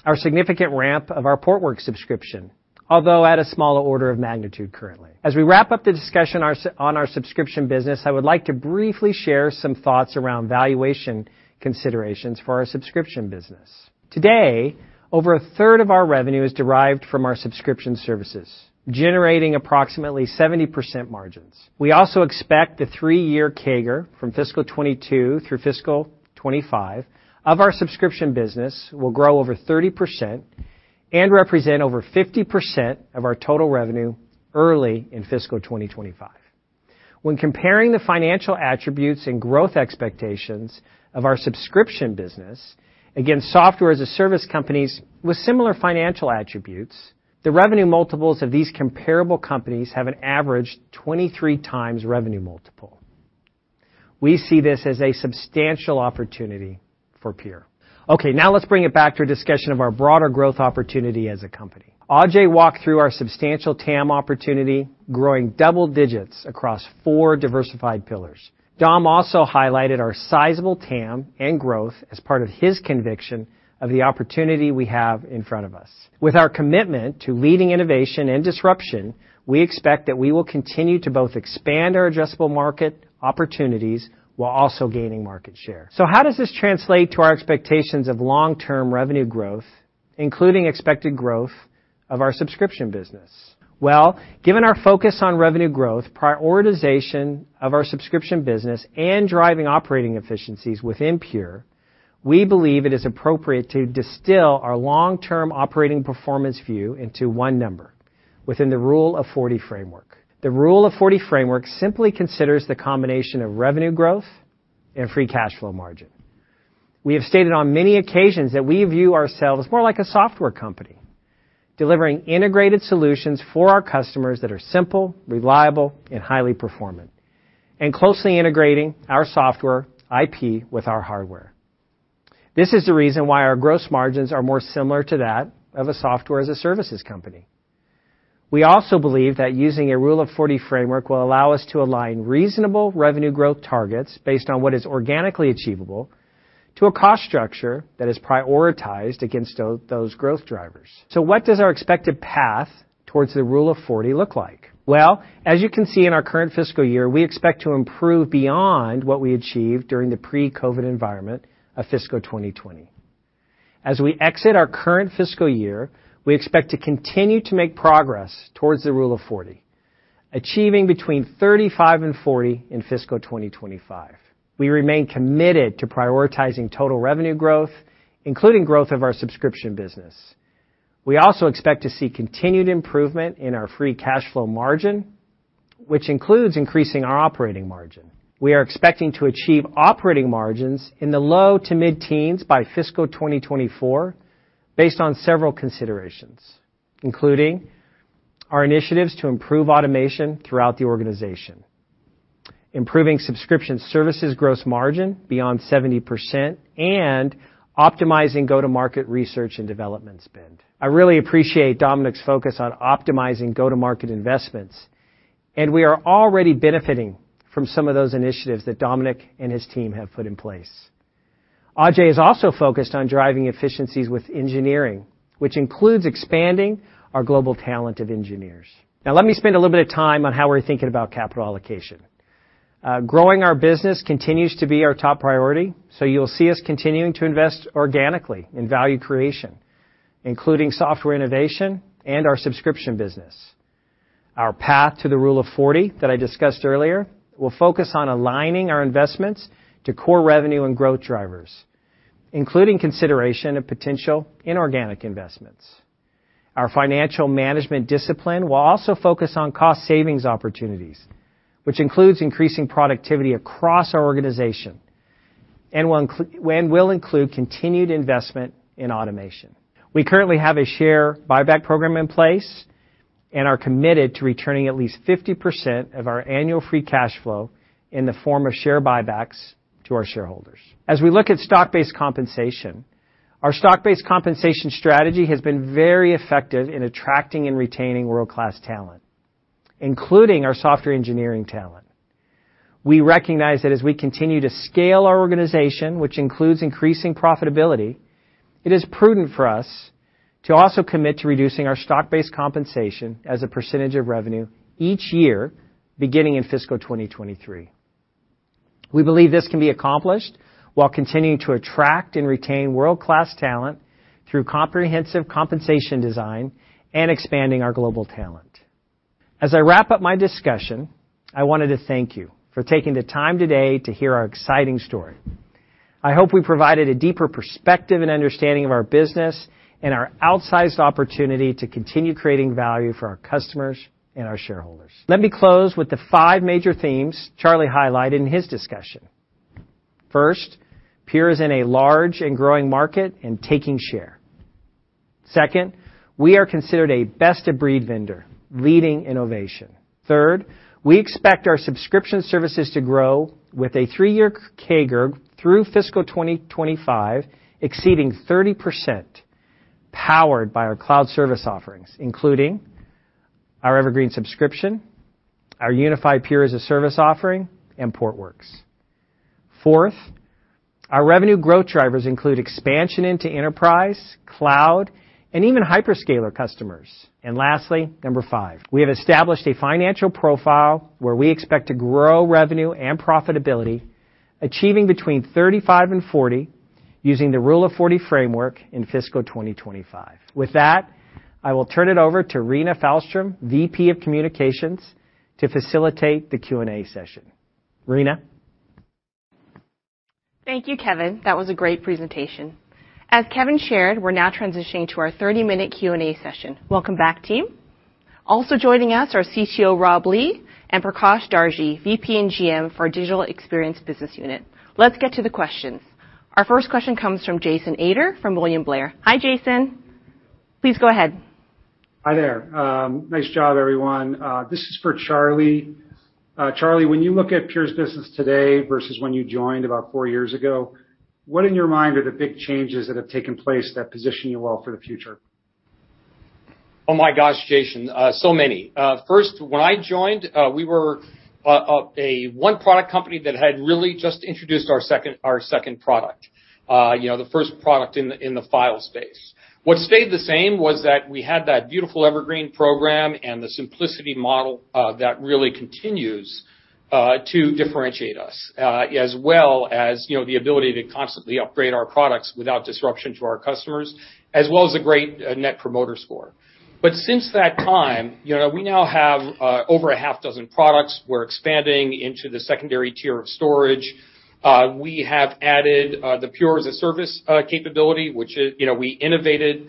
our significant ramp of our Portworx subscription, although at a smaller order of magnitude currently. As we wrap up the discussion on our subscription business, I would like to briefly share some thoughts around valuation considerations for our subscription business. Today, over 1/3 of our revenue is derived from our subscription services, generating approximately 70% margins. We also expect the three-year CAGR from fiscal 2022 through fiscal 2025 of our subscription business will grow over 30% and represent over 50% of our total revenue early in fiscal 2025. When comparing the financial attributes and growth expectations of our subscription business against software-as-a-service companies with similar financial attributes, the revenue multiples of these comparable companies have an average 23x revenue multiple. We see this as a substantial opportunity for Pure. Okay, now let's bring it back to a discussion of our broader growth opportunity as a company. Ajay walked through our substantial TAM opportunity, growing double digits across 4 diversified pillars. Dom also highlighted our sizable TAM and growth as part of his conviction of the opportunity we have in front of us. With our commitment to leading innovation and disruption, we expect that we will continue to both expand our addressable market opportunities while also gaining market share. How does this translate to our expectations of long-term revenue growth, including expected growth of our subscription business? Given our focus on revenue growth, prioritization of our subscription business, and driving operating efficiencies within Pure, we believe it is appropriate to distill our long-term operating performance view into one number within the Rule of 40 framework. The Rule of 40 framework simply considers the combination of revenue growth and free cash flow margin. We have stated on many occasions that we view ourselves more like a software company, delivering integrated solutions for our customers that are simple, reliable, and highly performant, and closely integrating our software IP with our hardware. This is the reason why our gross margins are more similar to that of a software-as-a-service company. We also believe that using a Rule of 40 framework will allow us to align reasonable revenue growth targets based on what is organically achievable to a cost structure that is prioritized against those growth drivers. What does our expected path towards the Rule of 40 look like? Well, as you can see in our current fiscal year, we expect to improve beyond what we achieved during the pre-COVID environment of fiscal 2020. As we exit our current fiscal year, we expect to continue to make progress towards the Rule of 40, achieving between 35% and 40% in fiscal 2025. We remain committed to prioritizing total revenue growth, including growth of our subscription business. We also expect to see continued improvement in our free cash flow margin, which includes increasing our operating margin. We are expecting to achieve operating margins in the low to mid-teens by FY 2024 based on several considerations, including our initiatives to improve automation throughout the organization, improving subscription services gross margin beyond 70%, and optimizing go-to-market research and development spend. I really appreciate Dominick's focus on optimizing go-to-market investments. We are already benefiting from some of those initiatives that Dominick and his team have put in place. Ajay is also focused on driving efficiencies with engineering, which includes expanding our global talent of engineers. Let me spend a little bit of time on how we're thinking about capital allocation. Growing our business continues to be our top priority. You'll see us continuing to invest organically in value creation, including software innovation and our subscription business. Our path to the Rule of 40 that I discussed earlier will focus on aligning our investments to core revenue and growth drivers, including consideration of potential inorganic investments. Our financial management discipline will also focus on cost savings opportunities, which includes increasing productivity across our organization and will include continued investment in automation. We currently have a share buyback program in place and are committed to returning at least 50% of our annual free cash flow in the form of share buybacks to our shareholders. As we look at stock-based compensation, our stock-based compensation strategy has been very effective in attracting and retaining world-class talent, including our software engineering talent. We recognize that as we continue to scale our organization, which includes increasing profitability, it is prudent for us to also commit to reducing our stock-based compensation as a percentage of revenue each year, beginning in fiscal 2023. We believe this can be accomplished while continuing to attract and retain world-class talent through comprehensive compensation design and expanding our global talent. As I wrap up my discussion, I wanted to thank you for taking the time today to hear our exciting story. I hope we provided a deeper perspective and understanding of our business and our outsized opportunity to continue creating value for our customers and our shareholders. Let me close with the five major themes Charlie highlighted in his discussion. First, Pure is in a large and growing market and taking share. Second, we are considered a best-of-breed vendor, leading innovation. Third, we expect our subscription services to grow with a three-year CAGR through fiscal 2025, exceeding 30%, powered by our cloud service offerings, including our Evergreen subscription, our unified Pure as-a-Service offering, and Portworx. Fourth, our revenue growth drivers include expansion into enterprise, cloud, and even hyperscaler customers. Lastly, number five, we have established a financial profile where we expect to grow revenue and profitability, achieving between 35% and 40% using the Rule of 40 framework in fiscal 2025. With that, I will turn it over to Rena Fallstrom, VP of Communications, to facilitate the Q&A session. Rena? Thank you, Kevan. That was a great presentation. As Kevan shared, we're now transitioning to our 30-minute Q&A session. Welcome back, team. Also joining us are CTO Rob Lee and Prakash Darji, VP and GM for our Digital Experience Business Unit. Let's get to the questions. Our first question comes from Jason Ader from William Blair. Hi, Jason. Please go ahead. Hi there. Nice job, everyone. This is for Charlie. Charlie, when you look at Pure's business today versus when you joined about four years ago, what in your mind are the big changes that have taken place that position you well for the future? Oh my gosh, Jason. Many. When I joined, we were a one-product company that had really just introduced our second product. The first product in the file space. What stayed the same was that we had that beautiful Evergreen program and the simplicity model that really continues to differentiate us, as well as the ability to constantly upgrade our products without disruption to our customers, as well as a great Net Promoter Score. Since that time, we now have over a half dozen products. We're expanding into the secondary tier of storage. We have added the Pure as-a-Service capability, which we innovated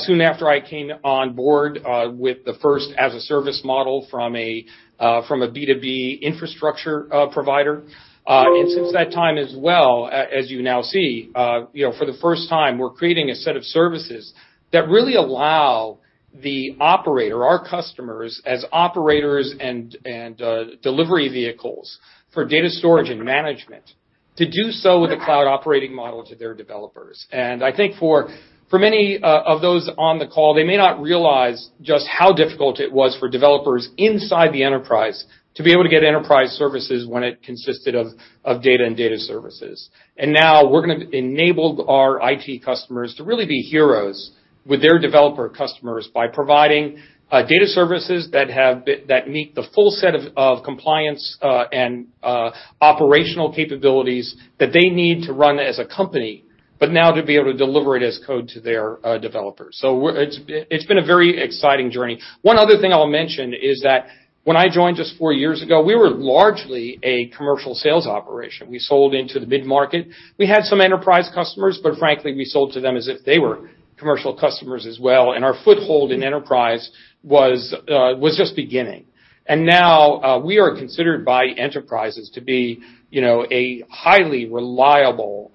soon after I came on board with the first as-a-service model from a B2B infrastructure provider. Since that time as well, as you now see for the first time, we're creating a set of services that really allow the operator, our customers as operators and delivery vehicles for data storage and management. To do so with a cloud operating model to their developers. I think for many of those on the call, they may not realize just how difficult it was for developers inside the enterprise to be able to get enterprise services when it consisted of data and data services. Now we're going to enable our IT customers to really be heroes with their developer customers by providing data services that meet the full set of compliance and operational capabilities that they need to run as a company, but now to be able to deliver it as code to their developers. It's been a very exciting journey. One other thing I'll mention is that when I joined just four years ago, we were largely a commercial sales operation. We sold into the mid-market. We had some enterprise customers, but frankly, we sold to them as if they were commercial customers as well. Our foothold in enterprise was just beginning. Now, we are considered by enterprises to be a highly reliable,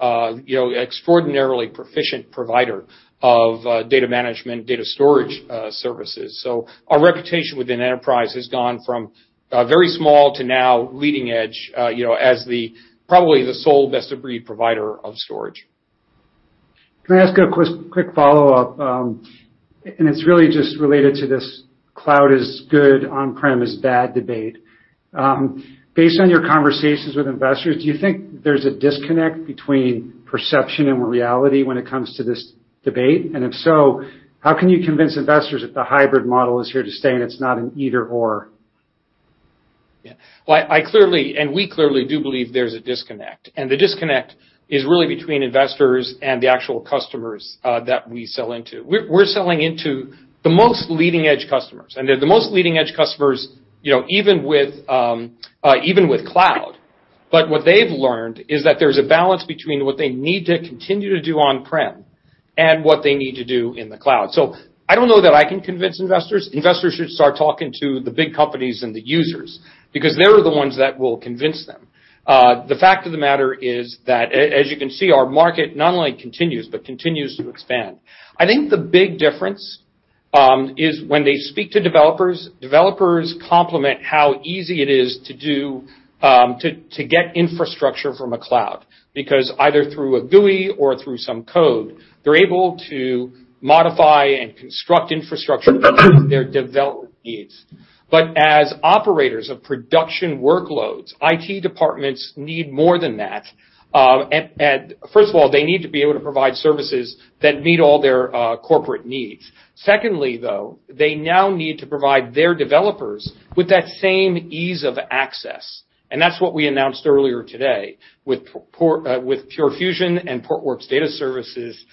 extraordinarily proficient provider of data management, data storage services. Our reputation within enterprise has gone from very small to now leading edge as probably the sole best-of-breed provider of storage. Can I ask a quick follow-up? It's really just related to this cloud is good, on-prem is bad debate. Based on your conversations with investors, do you think there's a disconnect between perception and reality when it comes to this debate? If so, how can you convince investors that the hybrid model is here to stay and it's not an either/or? Yeah. Well, I clearly, and we clearly do believe there's a disconnect. The disconnect is really between investors and the actual customers that we sell into. We're selling into the most leading-edge customers, and they're the most leading-edge customers even with cloud. What they've learned is that there's a balance between what they need to continue to do on-prem and what they need to do in the cloud. I don't know that I can convince investors. Investors should start talking to the big companies and the users because they're the ones that will convince them. The fact of the matter is that, as you can see, our market not only continues but continues to expand. I think the big difference is when they speak to developers, developers compliment how easy it is to get infrastructure from a cloud, because either through a GUI or through some code, they're able to modify and construct infrastructure for their development needs. As operators of production workloads, IT departments need more than that. First of all, they need to be able to provide services that meet all their corporate needs. Secondly, though, they now need to provide their developers with that same ease of access, and that's what we announced earlier today with Pure Fusion and Portworx Data Services.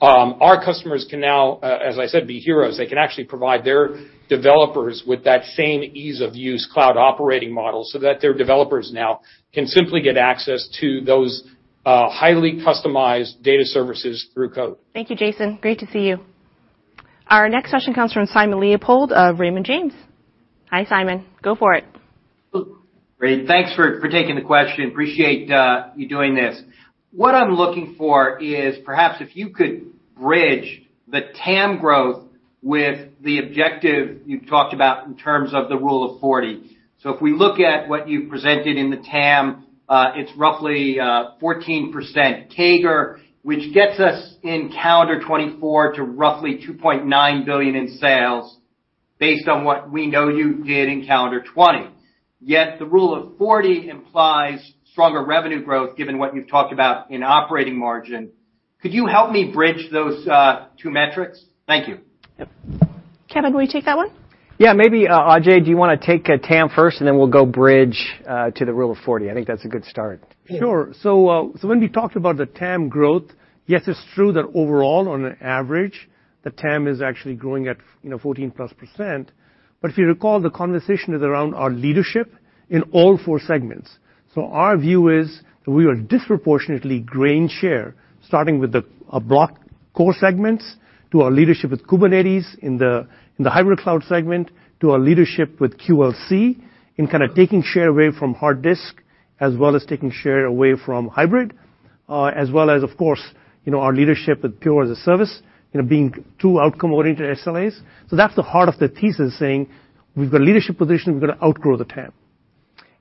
Our customers can now, as I said, be heroes. They can actually provide their developers with that same ease of use cloud operating model so that their developers now can simply get access to those highly customized data services through code. Thank you, Jason, great to see you. Our next question comes from Simon Leopold of Raymond James. Hi, Simon. Go for it. Great. Thanks for taking the question. Appreciate you doing this. What I'm looking for is perhaps if you could bridge the TAM growth with the objective you've talked about in terms of the Rule of 40. If we look at what you presented in the TAM, it's roughly 14% CAGR, which gets us in calendar 2024 to roughly $2.9 billion in sales based on what we know you did in calendar 2020. The Rule of 40 implies stronger revenue growth given what you've talked about in operating margin. Could you help me bridge those two metrics? Thank you. Yep. Kevan, will you take that one? Yeah. Maybe, Ajay, do you want to take TAM first, and then we'll go bridge to the Rule of 40? I think that's a good start. Sure. When we talked about the TAM growth, yes, it's true that overall on an average, the TAM is actually growing at 14+%. If you recall, the conversation is around our leadership in all four segments. Our view is that we are disproportionately growing share, starting with the block core segments to our leadership with Kubernetes in the hybrid cloud segment to our leadership with QLC in taking share away from hard disk as well as taking share away from hybrid as well as, of course, our leadership with Pure as-a-Service being two outcome-oriented SLAs. That's the heart of the thesis saying we've got a leadership position, we're going to outgrow the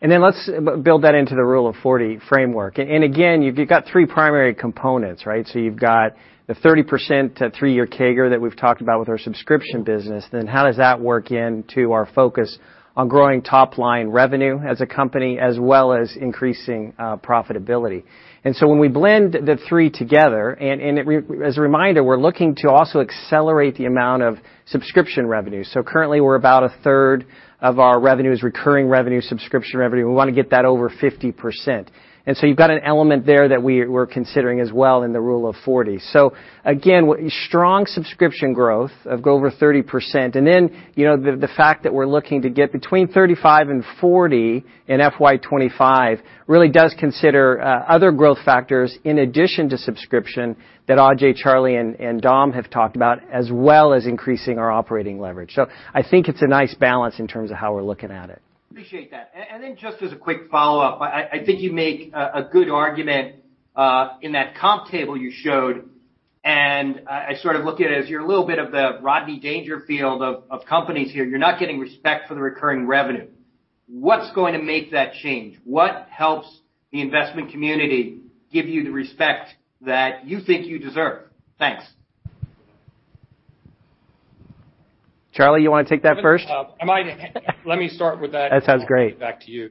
TAM. Let's build that into the Rule of 40 framework. Again, you've got three primary components, right? You've got the 30% three-year CAGR that we've talked about with our subscription business. How does that work into our focus on growing top-line revenue as a company as well as increasing profitability? When we blend the three together, and as a reminder, we're looking to also accelerate the amount of subscription revenue. Currently we're about 1/3 of our revenue is recurring revenue, subscription revenue. We want to get that over 50%. You've got an element there that we're considering as well in the Rule of 40. Again, strong subscription growth of over 30%. The fact that we're looking to get between 35% and 40% in FY 2025 really does consider other growth factors in addition to subscription that Ajay, Charlie, and Dom have talked about, as well as increasing our operating leverage. I think it's a nice balance in terms of how we're looking at it. Appreciate that. Just as a quick follow-up, I think you make a good argument in that comp table you showed. I sort of look at it as you're a little bit of the Rodney Dangerfield of companies here. You're not getting respect for the recurring revenue. What's going to make that change? What helps the investment community give you the respect that you think you deserve? Thanks. Charlie, you want to take that first? Let me start with that. That sounds great. kick it back to you.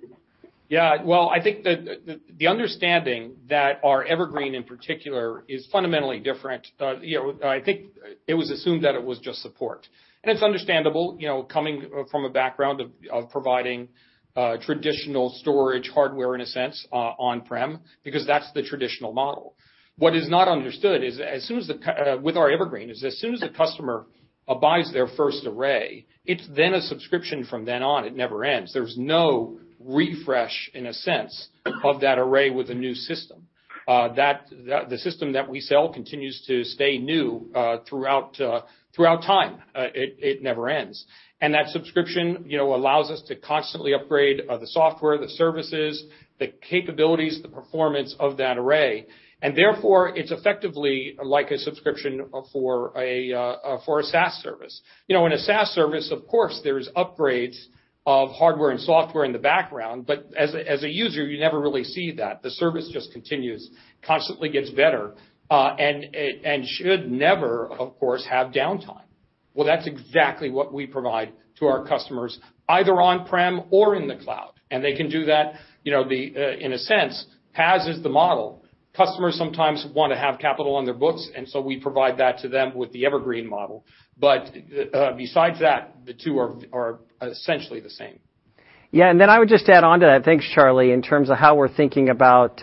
Well, I think that the understanding that our Evergreen, in particular, is fundamentally different. I think it was assumed that it was just support. It's understandable coming from a background of providing traditional storage hardware, in a sense, on-prem, because that's the traditional model. What is not understood is, with our Evergreen is, as soon as a customer buys their first array, it's then a subscription from then on. It never ends. There's no refresh, in a sense, of that array with a new system. The system that we sell continues to stay new throughout time. It never ends. That subscription allows us to constantly upgrade the software, the services, the capabilities, the performance of that array. Therefore, it's effectively like a subscription for a SaaS service. In a SaaS service, of course, there's upgrades of hardware and software in the background, but as a user, you never really see that. The service just continues, constantly gets better, and should never, of course, have downtime. Well, that's exactly what we provide to our customers, either on-prem or in the cloud, and they can do that. In a sense, PaaS is the model. Customers sometimes want to have capital on their books, and so we provide that to them with the Evergreen model. Besides that, the two are essentially the same. Yeah. I would just add on to that, thanks, Charlie, in terms of how we're thinking about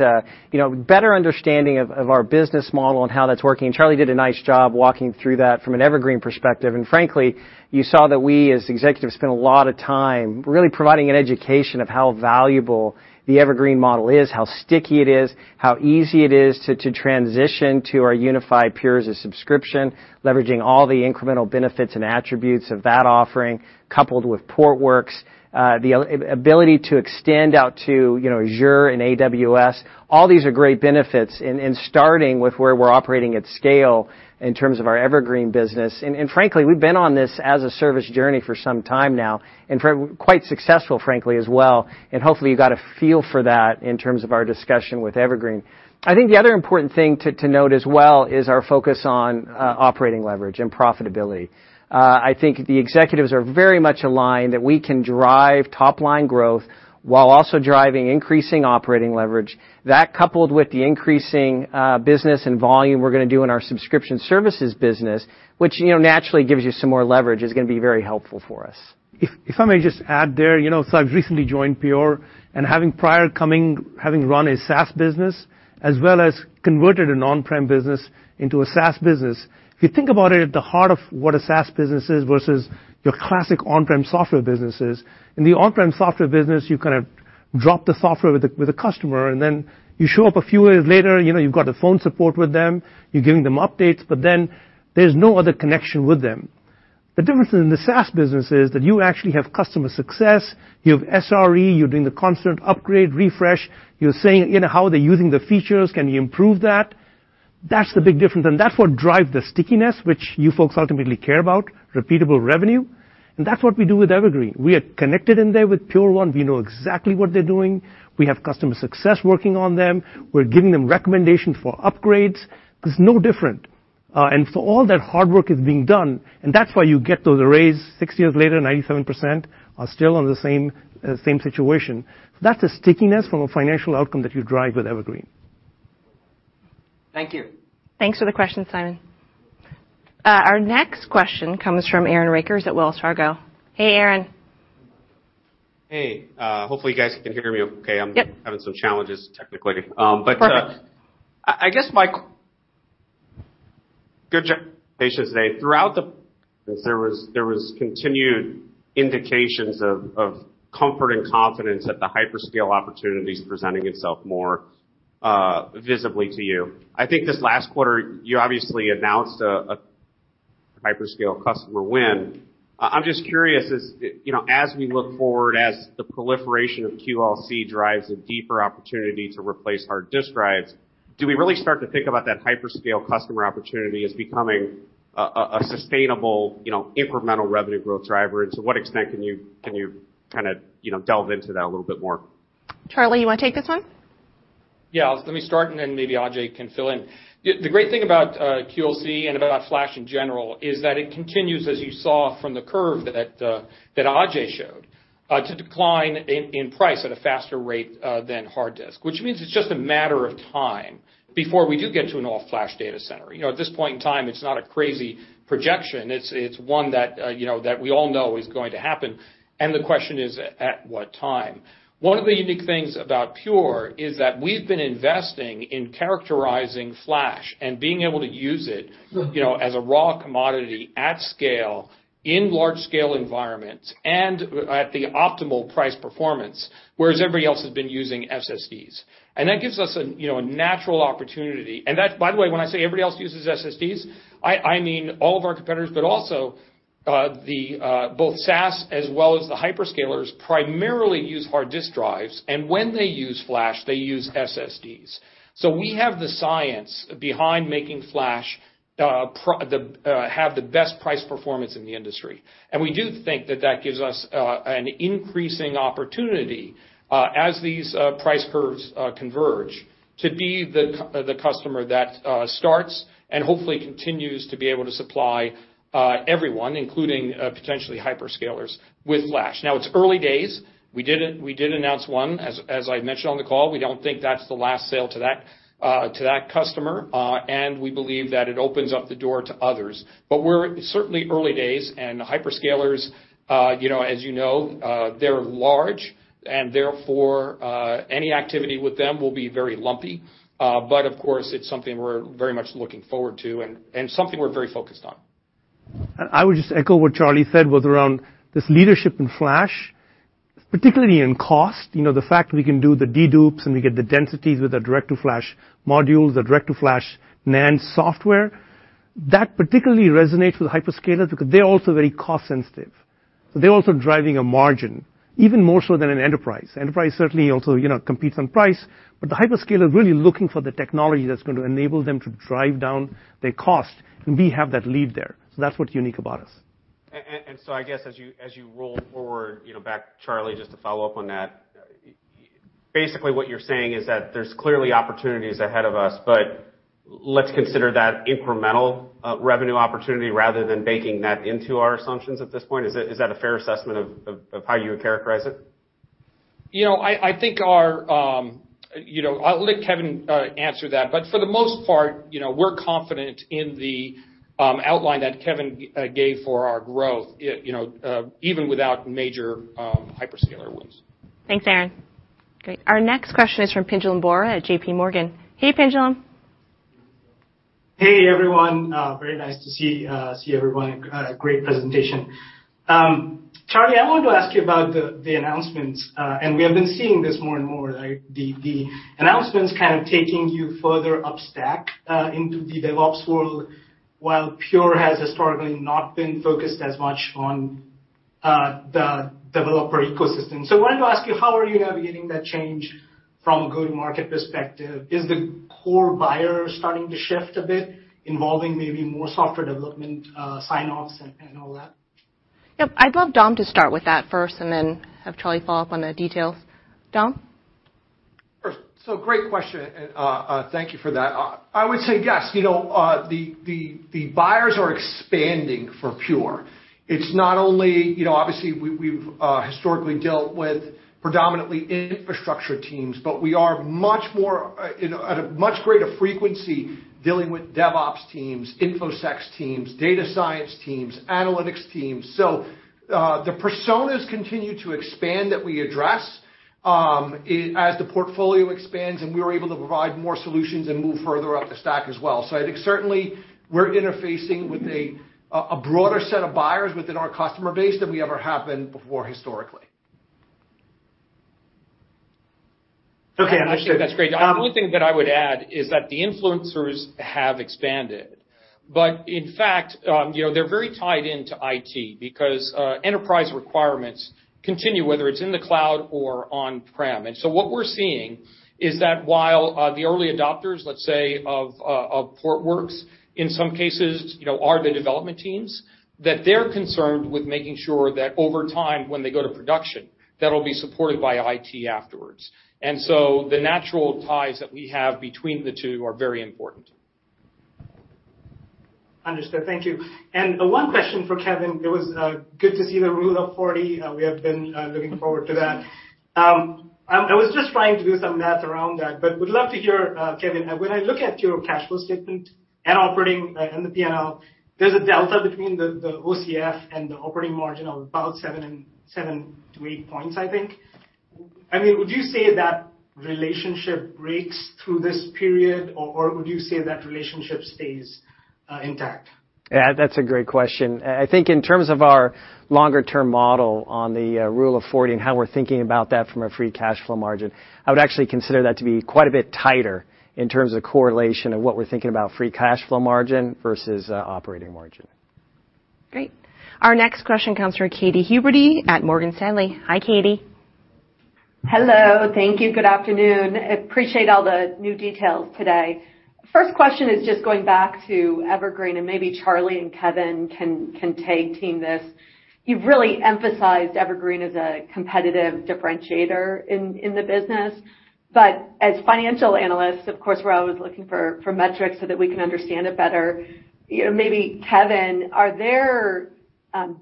better understanding of our business model and how that's working. Charlie did a nice job walking through that from an Evergreen perspective. Frankly, you saw that we, as executives, spend a lot of time really providing an education of how valuable the Evergreen model is, how sticky it is, how easy it is to transition to our unified Pure as-a-Service, leveraging all the incremental benefits and attributes of that offering, coupled with Portworx, the ability to extend out to Azure and AWS. All these are great benefits in starting with where we're operating at scale in terms of our Evergreen business. Frankly, we've been on this as a service journey for some time now, and quite successful, frankly, as well. Hopefully, you got a feel for that in terms of our discussion with Evergreen. I think the other important thing to note as well is our focus on operating leverage and profitability. I think the executives are very much aligned that we can drive top-line growth while also driving increasing operating leverage. That coupled with the increasing business and volume we're going to do in our subscription services business, which naturally gives you some more leverage, is going to be very helpful for us. If I may just add there. I've recently joined Pure, and having run a SaaS business, as well as converted an on-prem business into a SaaS business. If you think about it at the heart of what a SaaS business is versus your classic on-prem software business is, in the on-prem software business, you drop the software with a customer, and then you show up a few days later, you've got a phone support with them, you're giving them updates, but then there's no other connection with them. The difference in the SaaS business is that you actually have customer success, you have SRE, you're doing the constant upgrade, refresh, you're saying how they're using the features, can you improve that? That's the big difference, and that's what drives the stickiness, which you folks ultimately care about, repeatable revenue. That's what we do with Evergreen. We are connected in there with Pure1. We know exactly what they're doing. We have customer success working on them. We're giving them recommendations for upgrades. It's no different. For all that hard work is being done, that's why you get those arrays six years later, 97% are still on the same situation. That's a stickiness from a financial outcome that you drive with Evergreen. Thank you. Thanks for the question, Simon. Our next question comes from Aaron Rakers at Wells Fargo. Hey, Aaron. Hey. Hopefully, you guys can hear me okay. Yep. I'm having some challenges technically. Perfect. I guess my [inaudible] good [inaudible] throughout [inaudible] there was continued indications of comfort and confidence that the hyperscale opportunity is presenting itself more visibly to you. I think this last quarter, you obviously announced a hyperscale customer win. I'm just curious, as we look forward, as the proliferation of QLC drives a deeper opportunity to replace hard disk drives, do we really start to think about that hyperscale customer opportunity as becoming a sustainable incremental revenue growth driver? To what extent can you delve into that a little bit more? Charlie, you want to take this one? Yeah. Let me start, and then maybe Ajay can fill in. The great thing about QLC and about flash in general is that it continues, as you saw from the curve that Ajay showed, to decline in price at a faster rate than hard disk. Which means it's just a matter of time before we do get to an all-flash data center. At this point in time, it's not a crazy projection. It's one that we all know is going to happen. The question is, at what time? One of the unique things about Pure is that we've been investing in characterizing flash and being able to use it as a raw commodity at scale in large-scale environments and at the optimal price performance, whereas everybody else has been using SSDs. That gives us a natural opportunity. By the way, when I say everybody else uses SSDs, I mean all of our competitors, but also both SaaS as well as the hyperscalers primarily use hard disk drives, and when they use flash, they use SSDs. We have the science behind making flash have the best price performance in the industry. We do think that that gives us an increasing opportunity as these price curves converge to the customer that starts and hopefully continues to be able to supply everyone, including potentially hyperscalers, with flash. It's early days. We did announce one, as I mentioned on the call. We don't think that's the last sale to that customer, and we believe that it opens up the door to others. We're certainly early days, and hyperscalers, as you know, they're large and therefore, any activity with them will be very lumpy. Of course, it's something we're very much looking forward to and something we're very focused on. I would just echo what Charlie said was around this leadership in flash, particularly in cost. The fact we can do the de-dupes and we get the densities with the direct-to-flash modules, the direct-to-flash NAND software, that particularly resonates with hyperscalers because they're also very cost sensitive. They're also driving a margin even more so than an enterprise. Enterprise certainly also competes on price, the hyperscalers are really looking for the technology that's going to enable them to drive down their cost, and we have that lead there. That's what's unique about us. I guess as you roll forward, back to Charlie just to follow up on that, basically what you're saying is that there's clearly opportunities ahead of us, but let's consider that incremental revenue opportunity rather than baking that into our assumptions at this point. Is that a fair assessment of how you would characterize it? I'll let Kevan answer that, but for the most part, we're confident in the outline that Kevan gave for our growth even without major hyperscaler wins. Thanks, Aaron. Great. Our next question is from Pinjalim Bora at JPMorgan. Hey, Pinjalim. Hey, everyone. Very nice to see everyone. Great presentation. Charlie, I wanted to ask you about the announcements. We have been seeing this more and more, right? The announcements kind of taking you further upstack into the DevOps world while Pure has historically not been focused as much on the developer ecosystem. I wanted to ask you, how are you navigating that change from a go-to-market perspective? Is the core buyer starting to shift a bit, involving maybe more software development sign-offs and all that? Yep. I'd love Dom to start with that first and then have Charlie follow up on the details. Dom? Sure. Great question, and thank you for that. I would say yes. The buyers are expanding for Pure. Obviously, we've historically dealt with predominantly infrastructure teams, but we are at a much greater frequency dealing with DevOps teams, InfoSec teams, data science teams, analytics teams. The personas continue to expand that we address as the portfolio expands, and we are able to provide more solutions and move further up the stack as well. I think certainly we're interfacing with a broader set of buyers within our customer base than we ever have been before historically. Okay, understood. That's great. The only thing I would add is that the influencers have expanded. In fact, they're very tied into IT because enterprise requirements continue, whether it's in the cloud or on-prem. What we're seeing is that while the early adopters, let's say, of Portworx, in some cases are the development teams, that they're concerned with making sure that over time when they go to production, that'll be supported by IT afterwards. The natural ties that we have between the two are very important. Understood. Thank you. One question for Kevan. It was good to see the Rule of 40. We have been looking forward to that. I was just trying to do some math around that, would love to hear, Kevan, when I look at your cash flow statement and operating and the P&L, there's a delta between the OCF and the operating margin of about 7-8 points, I think. Would you say that relationship breaks through this period, or would you say that relationship stays intact? Yeah, that's a great question. I think in terms of our longer-term model on the Rule of 40 and how we're thinking about that from a free cash flow margin, I would actually consider that to be quite a bit tighter in terms of correlation of what we're thinking about free cash flow margin versus operating margin. Great. Our next question comes from Katy Huberty at Morgan Stanley. Hi, Katy. Hello. Thank you. Good afternoon. Appreciate all the new details today. First question is just going back to Evergreen, and maybe Charlie and Kevan can tag team this. You've really emphasized Evergreen as a competitive differentiator in the business. As financial analysts, of course, we're always looking for metrics so that we can understand it better. Maybe Kevan, are there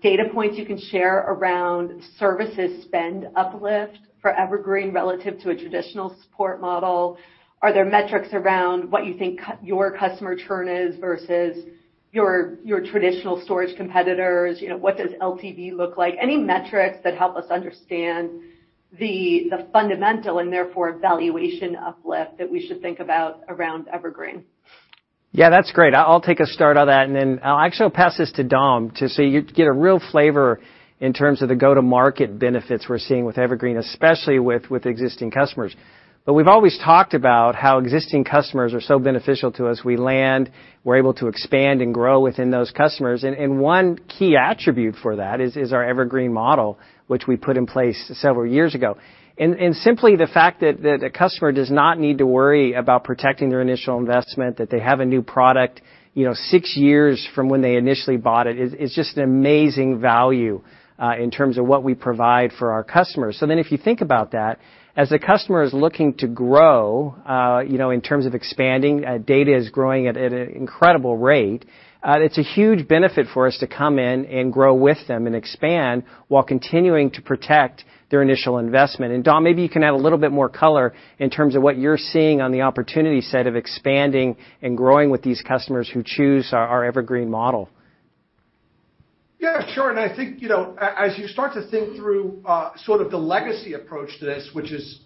data points you can share around services spend uplift for Evergreen relative to a traditional support model? Are there metrics around what you think your customer churn is versus your traditional storage competitors? What does LTV look like? Any metrics that help us understand the fundamental and therefore valuation uplift that we should think about around Evergreen? Yeah, that's great. I'll take a start on that, then I actually will pass this to Dom to see you get a real flavor in terms of the go-to-market benefits we're seeing with Evergreen, especially with existing customers. We've always talked about how existing customers are so beneficial to us. We land, we're able to expand and grow within those customers. One key attribute for that is our Evergreen model, which we put in place several years ago. Simply the fact that a customer does not need to worry about protecting their initial investment, that they have a new product six years from when they initially bought it, is just an amazing value in terms of what we provide for our customers. If you think about that, as a customer is looking to grow in terms of expanding, data is growing at an incredible rate, it's a huge benefit for us to come in and grow with them and expand while continuing to protect their initial investment. Dom, maybe you can add a little bit more color in terms of what you're seeing on the opportunity set of expanding and growing with these customers who choose our Evergreen model. Yeah, sure. I think, as you start to think through sort of the legacy approach to this, which is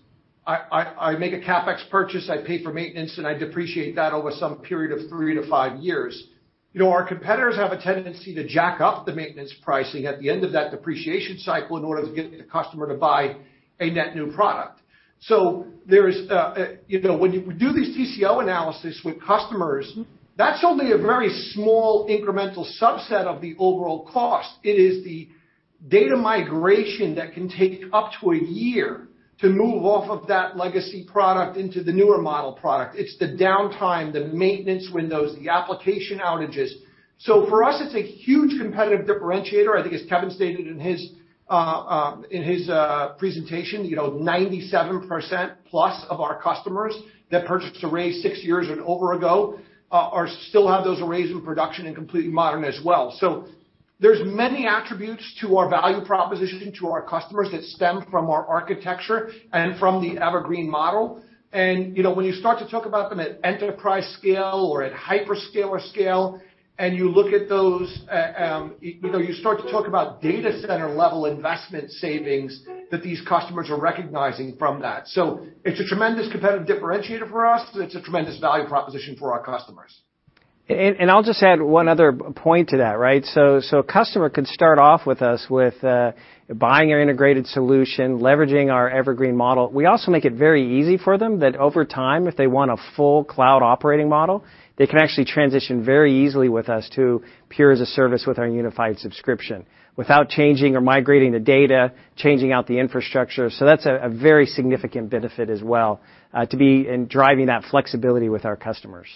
I make a CapEx purchase, I pay for maintenance, and I depreciate that over some period of three to five years. Our competitors have a tendency to jack up the maintenance pricing at the end of that depreciation cycle in order to get the customer to buy a net new product. When you do these TCO analysis with customers, that's only a very small incremental subset of the overall cost. It is the data migration that can take up to a year to move off of that legacy product into the newer model product. It's the downtime, the maintenance windows, the application outages. For us, it's a huge competitive differentiator. I think as Kevan stated in his presentation, 97%+ of our customers that purchased arrays six years and over ago still have those arrays in production and completely modern as well. There's many attributes to our value proposition, to our customers that stem from our architecture and from the Evergreen model. When you start to talk about them at enterprise scale or at hyperscaler scale, and you look at those, you start to talk about data center-level investment savings that these customers are recognizing from that. It's a tremendous competitive differentiator for us, and it's a tremendous value proposition for our customers. I'll just add one other point to that. So a customer could start off with us with buying our integrated solution, leveraging our Evergreen model. We also make it very easy for them that over time, if they want a full cloud operating model, they can actually transition very easily with us to Pure as-a-Service with our unified subscription without changing or migrating the data, changing out the infrastructure. So that's a very significant benefit as well, in driving that flexibility with our customers.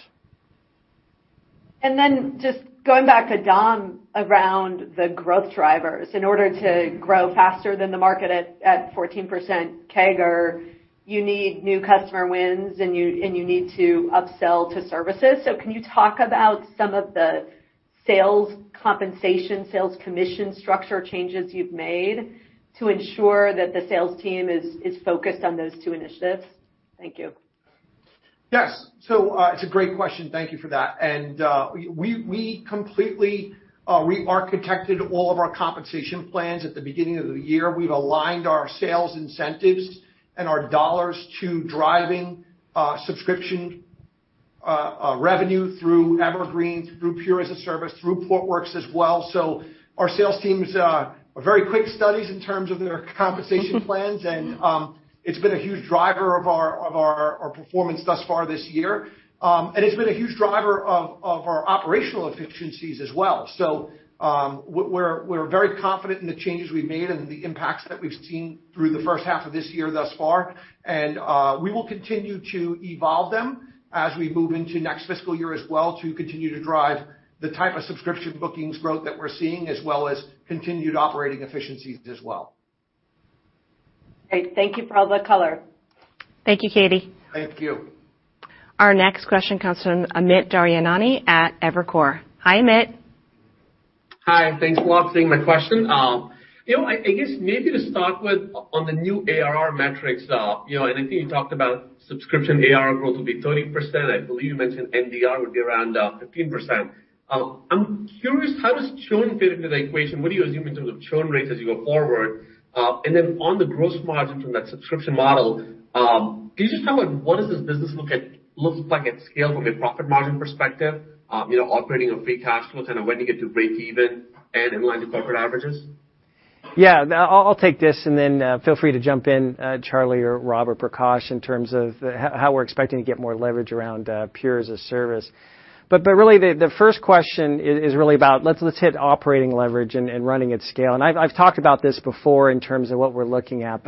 Then just going back to Dom around the growth drivers. In order to grow faster than the market at 14% CAGR, you need new customer wins, and you need to upsell to services. So can you talk about some of the sales compensation, sales commission structure changes you've made to ensure that the sales team is focused on those two initiatives? Thank you. Yes. It's a great question. Thank you for that. We completely re-architected all of our compensation plans at the beginning of the year. We've aligned our sales incentives and our dollars to driving subscription revenue through Evergreen, through Pure as-a-Service, through Portworx as well. Our sales teams are very quick studies in terms of their compensation plans, and it's been a huge driver of our performance thus far this year. It's been a huge driver of our operational efficiencies as well. We're very confident in the changes we've made and the impacts that we've seen through the first half of this year thus far. We will continue to evolve them as we move into next fiscal year as well to continue to drive the type of subscription bookings growth that we're seeing, as well as continued operating efficiencies as well. Great. Thank you for all the color. Thank you, Katy. Thank you. Our next question comes from Amit Daryanani at Evercore. Hi, Amit. Hi. Thanks for taking my question. I guess maybe to start with on the new ARR metrics, I think you talked about subscription ARR growth will be 30%. I believe you mentioned NDR would be around 15%. I'm curious, how does churn fit into the equation? What do you assume in terms of churn rates as you go forward? On the gross margin from that subscription model, can you just tell me, what does this business look like at scale from a profit margin perspective? Operating a free cash flow, kind of when you get to break even and in line with corporate averages? Yeah. I'll take this and then feel free to jump in, Charlie or Rob or Prakash, in terms of how we're expecting to get more leverage around Pure as-a-Service. Really, the first question is really about let's hit operating leverage and running at scale. I've talked about this before in terms of what we're looking at.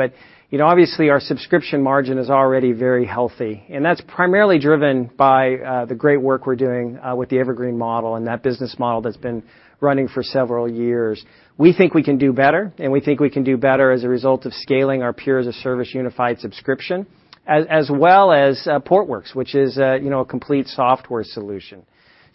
Obviously, our subscription margin is already very healthy, and that's primarily driven by the great work we're doing with the Evergreen model and that business model that's been running for several years. We think we can do better, and we think we can do better as a result of scaling our Pure as-a-Service unified subscription as well as Portworx, which is a complete software solution.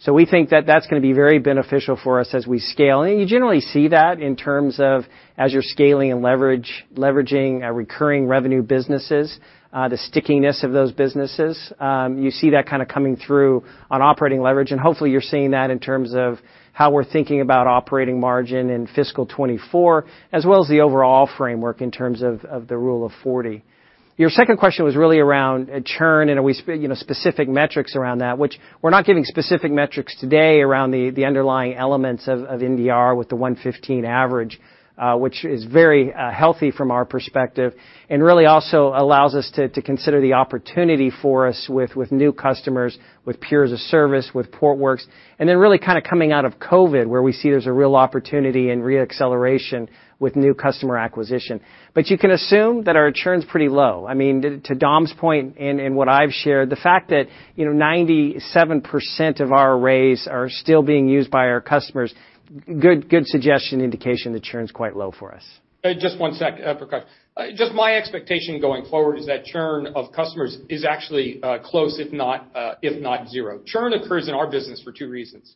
We think that that's going to be very beneficial for us as we scale. You generally see that in terms of as you're scaling and leveraging recurring revenue businesses, the stickiness of those businesses. You see that kind of coming through on operating leverage, and hopefully you're seeing that in terms of how we're thinking about operating margin in fiscal 2024, as well as the overall framework in terms of the Rule of 40. Your second question was really around churn and specific metrics around that, which we're not giving specific metrics today around the underlying elements of NDR with the 115 average, which is very healthy from our perspective, and really also allows us to consider the opportunity for us with new customers, with Pure as-a-Service, with Portworx, and then really kind of coming out of COVID, where we see there's a real opportunity and re-acceleration with new customer acquisition. You can assume that our churn's pretty low. To Dom's point and what I've shared, the fact that 97% of our arrays are still being used by our customers, good suggestion indication that churn's quite low for us. Just one sec, Prakash. My expectation going forward is that churn of customers is actually close, if not zero. Churn occurs in our business for two reasons.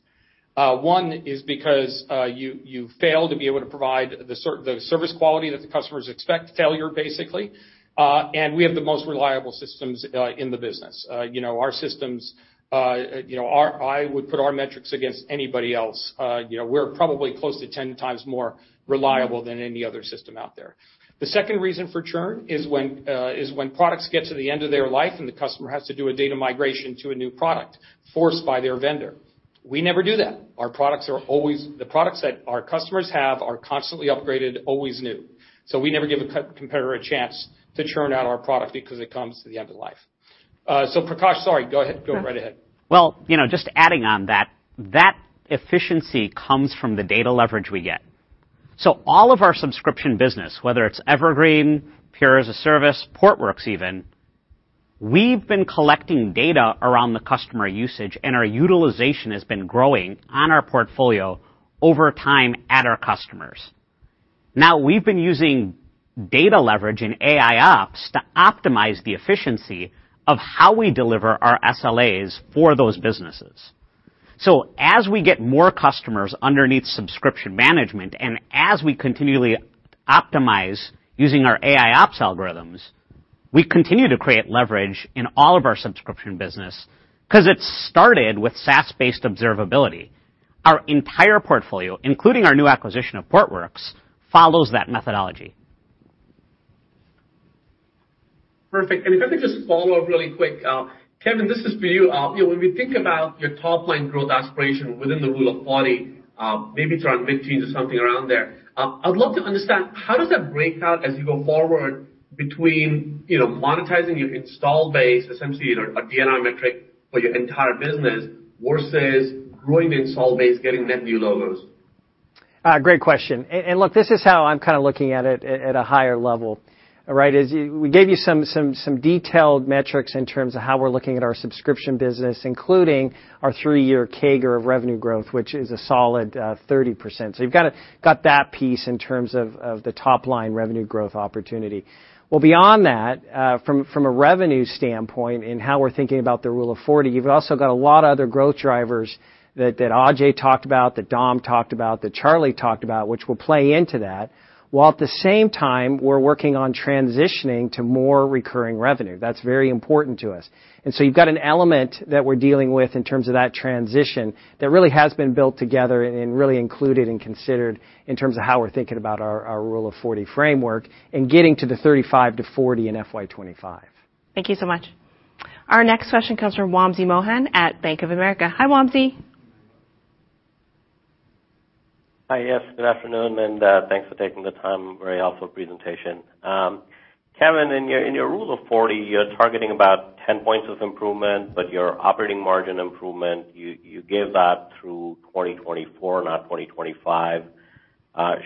One is because you fail to be able to provide the service quality that the customers expect, failure basically. We have the most reliable systems in the business. I would put our metrics against anybody else. We're probably close to 10x more reliable than any other system out there. The second reason for churn is when products get to the end of their life and the customer has to do a data migration to a new product forced by their vendor. We never do that. The products that our customers have are constantly upgraded, always new. We never give a competitor a chance to churn out our product because it comes to the end of life. Prakash, sorry, go right ahead. Just adding on that efficiency comes from the data leverage we get. All of our subscription business, whether it's Evergreen, Pure as-a-Service, Portworx even, we've been collecting data around the customer usage, and our utilization has been growing on our portfolio over time at our customers. We've been using data leverage in AIOps to optimize the efficiency of how we deliver our SLAs for those businesses. As we get more customers underneath subscription management, and as we continually optimize using our AIOps algorithms, we continue to create leverage in all of our subscription business because it started with SaaS-based observability. Our entire portfolio, including our new acquisition of Portworx, follows that methodology. Perfect. If I could just follow up really quick. Kevan, this is for you. When we think about your top-line growth aspiration within the Rule of 40, maybe it's around mid-teens or something around there, I would love to understand how does that break out as you go forward between monetizing your installed base, essentially a [NDR] metric for your entire business, versus growing the installed base, getting net new logos? Great question. Look, this is how I'm kind of looking at it at a higher level. We gave you some detailed metrics in terms of how we're looking at our subscription business, including our three-year CAGR of revenue growth, which is a solid 30%. You've got that piece in terms of the top-line revenue growth opportunity. Beyond that, from a revenue standpoint and how we're thinking about the Rule of 40, you've also got a lot of other growth drivers that Ajay talked about, that Dom talked about, that Charlie talked about, which will play into that, while at the same time, we're working on transitioning to more recurring revenue. That's very important to us. You've got an element that we're dealing with in terms of that transition that really has been built together and really included and considered in terms of how we're thinking about our Rule of 40 framework and getting to the 35%-40% in FY 2025. Thank you so much. Our next question comes from Wamsi Mohan at Bank of America. Hi, Wamsi. Hi, yes, good afternoon, and thanks for taking the time. Very helpful presentation. Kevan, in your Rule of 40, you're targeting about 10 points of improvement, but your operating margin improvement, you give that through 2024, not 2025.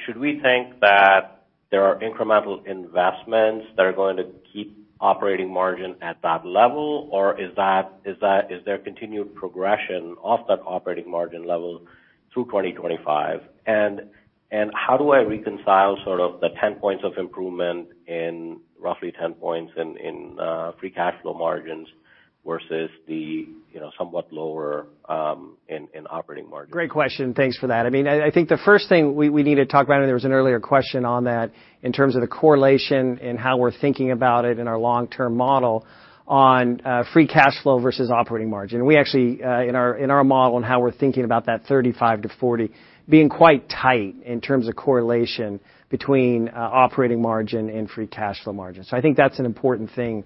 Should we think that there are incremental investments that are going to keep operating margin at that level, or is there continued progression of that operating margin level through 2025? How do I reconcile sort of the 10 points of improvement in roughly 10 points in free cash flow margins versus the somewhat lower in operating margin? Great question. Thanks for that. I think the first thing we need to talk about, and there was an earlier question on that, in terms of the correlation and how we're thinking about it in our long-term model on free cash flow versus operating margin. We actually, in our model and how we're thinking about that 35%-40%, being quite tight in terms of correlation between operating margin and free cash flow margin. I think that's an important thing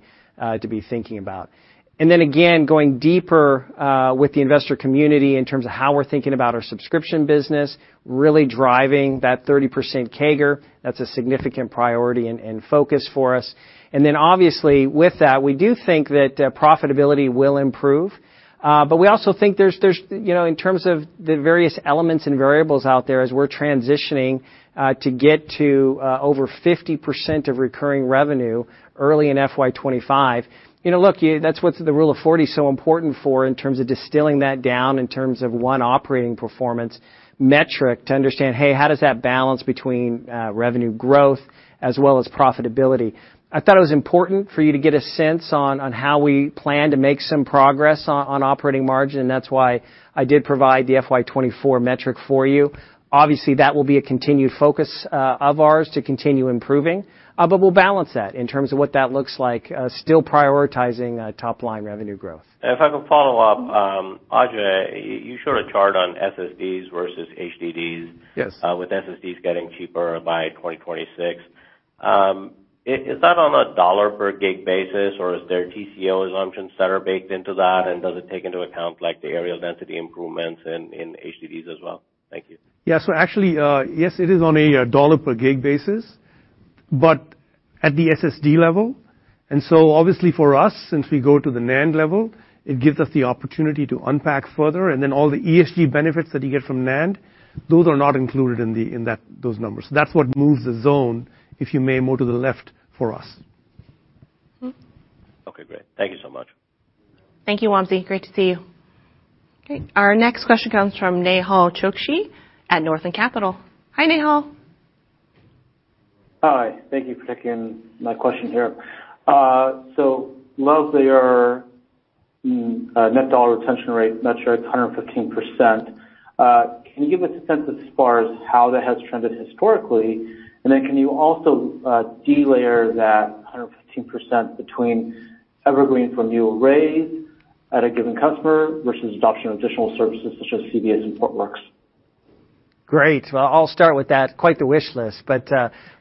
to be thinking about. Again, going deeper with the investor community in terms of how we're thinking about our subscription business, really driving that 30% CAGR. That's a significant priority and focus for us. Obviously, with that, we do think that profitability will improve. We also think in terms of the various elements and variables out there as we're transitioning to get to over 50% of recurring revenue early in FY 2025. Look, that's what the Rule of 40 is so important for in terms of distilling that down in terms of one operating performance metric to understand, hey, how does that balance between revenue growth as well as profitability? I thought it was important for you to get a sense on how we plan to make some progress on operating margin, and that's why I did provide the FY 2024 metric for you. Obviously, that will be a continued focus of ours to continue improving, but we'll balance that in terms of what that looks like, still prioritizing top-line revenue growth. If I could follow up. Ajay, you showed a chart on SSDs versus HDDs— Yes. With SSDs getting cheaper by 2026. Is that on a dollar-per-GB basis, or is there TCO assumptions that are baked into that? Does it take into account the areal density improvements in HDDs as well? Thank you. Yeah. Actually, yes, it is on a dollar-per-GB basis, but at the SSD level. Obviously for us, since we go to the NAND level, it gives us the opportunity to unpack further, and then all the ESG benefits that you get from NAND, those are not included in those numbers. That's what moves the zone, if you may, more to the left for us. Okay, great. Thank you so much. Thank you, Wamsi. Great to see you. Our next question comes from Nehal Chokshi at Northland Capital. Hi, Nehal. Hi. Thank you for taking my question here. Love the net dollar retention rate. Net churn is 115%. Can you give a sense as far as how that has trended historically? Can you also delayer that 115% between Evergreen from new arrays at a given customer versus adoption of additional services such as CBS and Portworx? Great. Well, I'll start with that. Quite the wish list,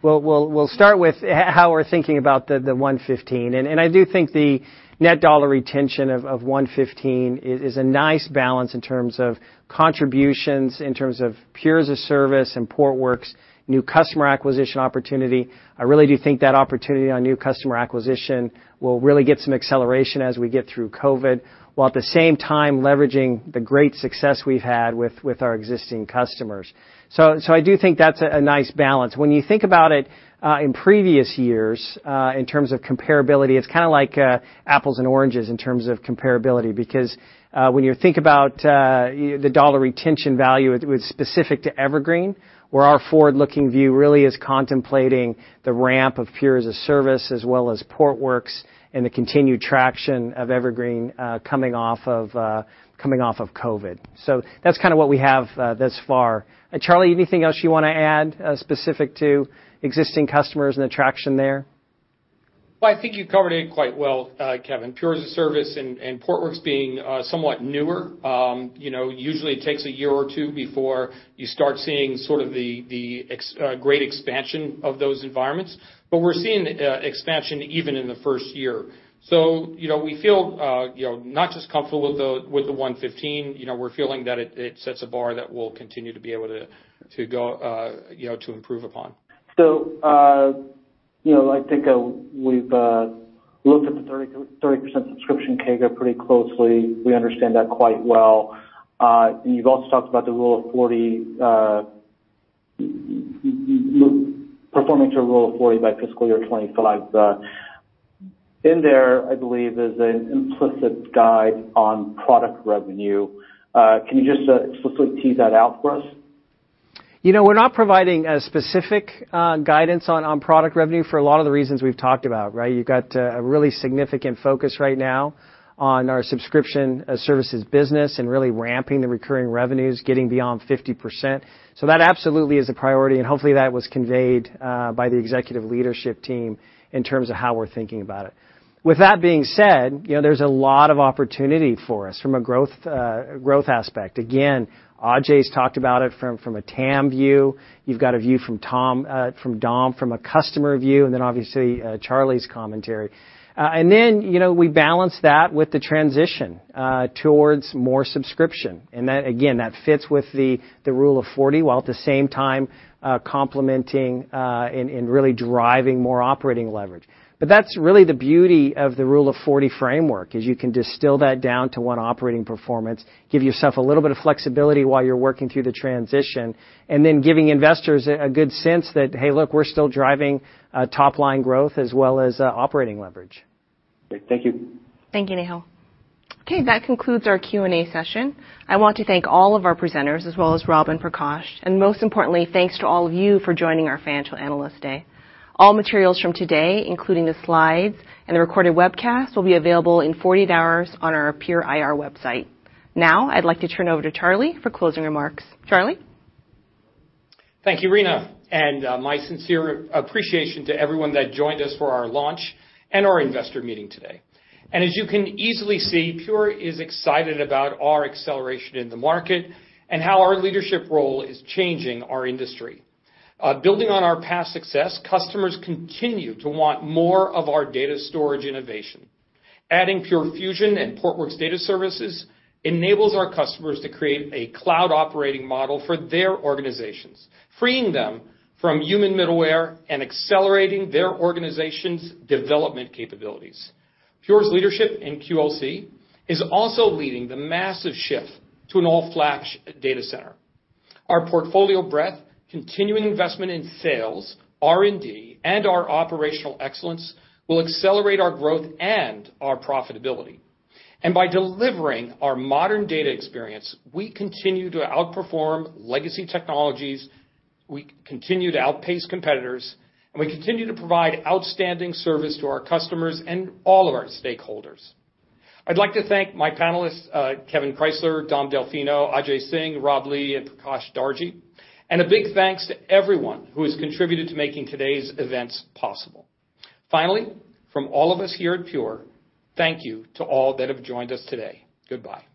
we'll start with how we're thinking about the 115%. I do think the net dollar retention of 115% is a nice balance in terms of contributions, in terms of Pure as-a-Service and Portworx, new customer acquisition opportunity. I really do think that opportunity on new customer acquisition will really get some acceleration as we get through COVID, while at the same time leveraging the great success we've had with our existing customers. I do think that's a nice balance. When you think about it in previous years, in terms of comparability, it's like apples and oranges in terms of comparability. When you think about the dollar retention value specific to Evergreen, where our forward-looking view really is contemplating the ramp of Pure as-a-Service as well as Portworx and the continued traction of Evergreen coming off of COVID. That's what we have thus far. Charlie, anything else you want to add specific to existing customers and the traction there? Well, I think you covered it quite well, Kevan. Pure as-a-Service and Portworx being somewhat newer. Usually it takes a year or two before you start seeing the great expansion of those environments. We're seeing expansion even in the first year. We feel not just comfortable with the 115%, we're feeling that it sets a bar that we'll continue to be able to improve upon. I think we've looked at the 30% subscription CAGR pretty closely. We understand that quite well. You've also talked about performing to a Rule of 40 by fiscal year 2025. In there, I believe, is an implicit guide on product revenue. Can you just explicitly tease that out for us? We're not providing a specific guidance on product revenue for a lot of the reasons we've talked about, right? You've got a really significant focus right now on our subscription services business and really ramping the recurring revenues, getting beyond 50%. That absolutely is a priority, and hopefully that was conveyed by the executive leadership team in terms of how we're thinking about it. With that being said, there's a lot of opportunity for us from a growth aspect. Again, Ajay's talked about it from a TAM view. You've got a view from Dom from a customer view, and then obviously Charlie's commentary. Then we balance that with the transition towards more subscription. Again, that fits with the Rule of 40, while at the same time complementing and really driving more operating leverage. That's really the beauty of the Rule of 40 framework, is you can distill that down to one operating performance, give yourself a little bit of flexibility while you're working through the transition, and then giving investors a good sense that, hey, look, we're still driving top-line growth as well as operating leverage. Great. Thank you. Thank you, Nehal. Okay, that concludes our Q&A session. I want to thank all of our presenters as well as Rob and Prakash. Most importantly, thanks to all of you for joining our Financial Analyst Day. All materials from today, including the slides and the recorded webcast, will be available in 48 hours on our Pure IR website. Now, I'd like to turn it over to Charlie for closing remarks. Charlie? Thank you, Rena. My sincere appreciation to everyone that joined us for our launch and our investor meeting today. As you can easily see, Pure is excited about our acceleration in the market and how our leadership role is changing our industry. Building on our past success, customers continue to want more of our data storage innovation. Adding Pure Fusion and Portworx Data Services enables our customers to create a cloud operating model for their organizations, freeing them from human middleware and accelerating their organization's development capabilities. Pure's leadership in QLC is also leading the massive shift to an all-flash data center. Our portfolio breadth, continuing investment in sales, R&D, and our operational excellence will accelerate our growth and our profitability. By delivering our modern data experience, we continue to outperform legacy technologies, we continue to outpace competitors, and we continue to provide outstanding service to our customers and all of our stakeholders. I'd like to thank my panelists, Kevan Krysler, Dom Delfino, Ajay Singh, Rob Lee, and Prakash Darji. A big thanks to everyone who has contributed to making today's events possible. Finally, from all of us here at Pure, thank you to all that have joined us today. Goodbye.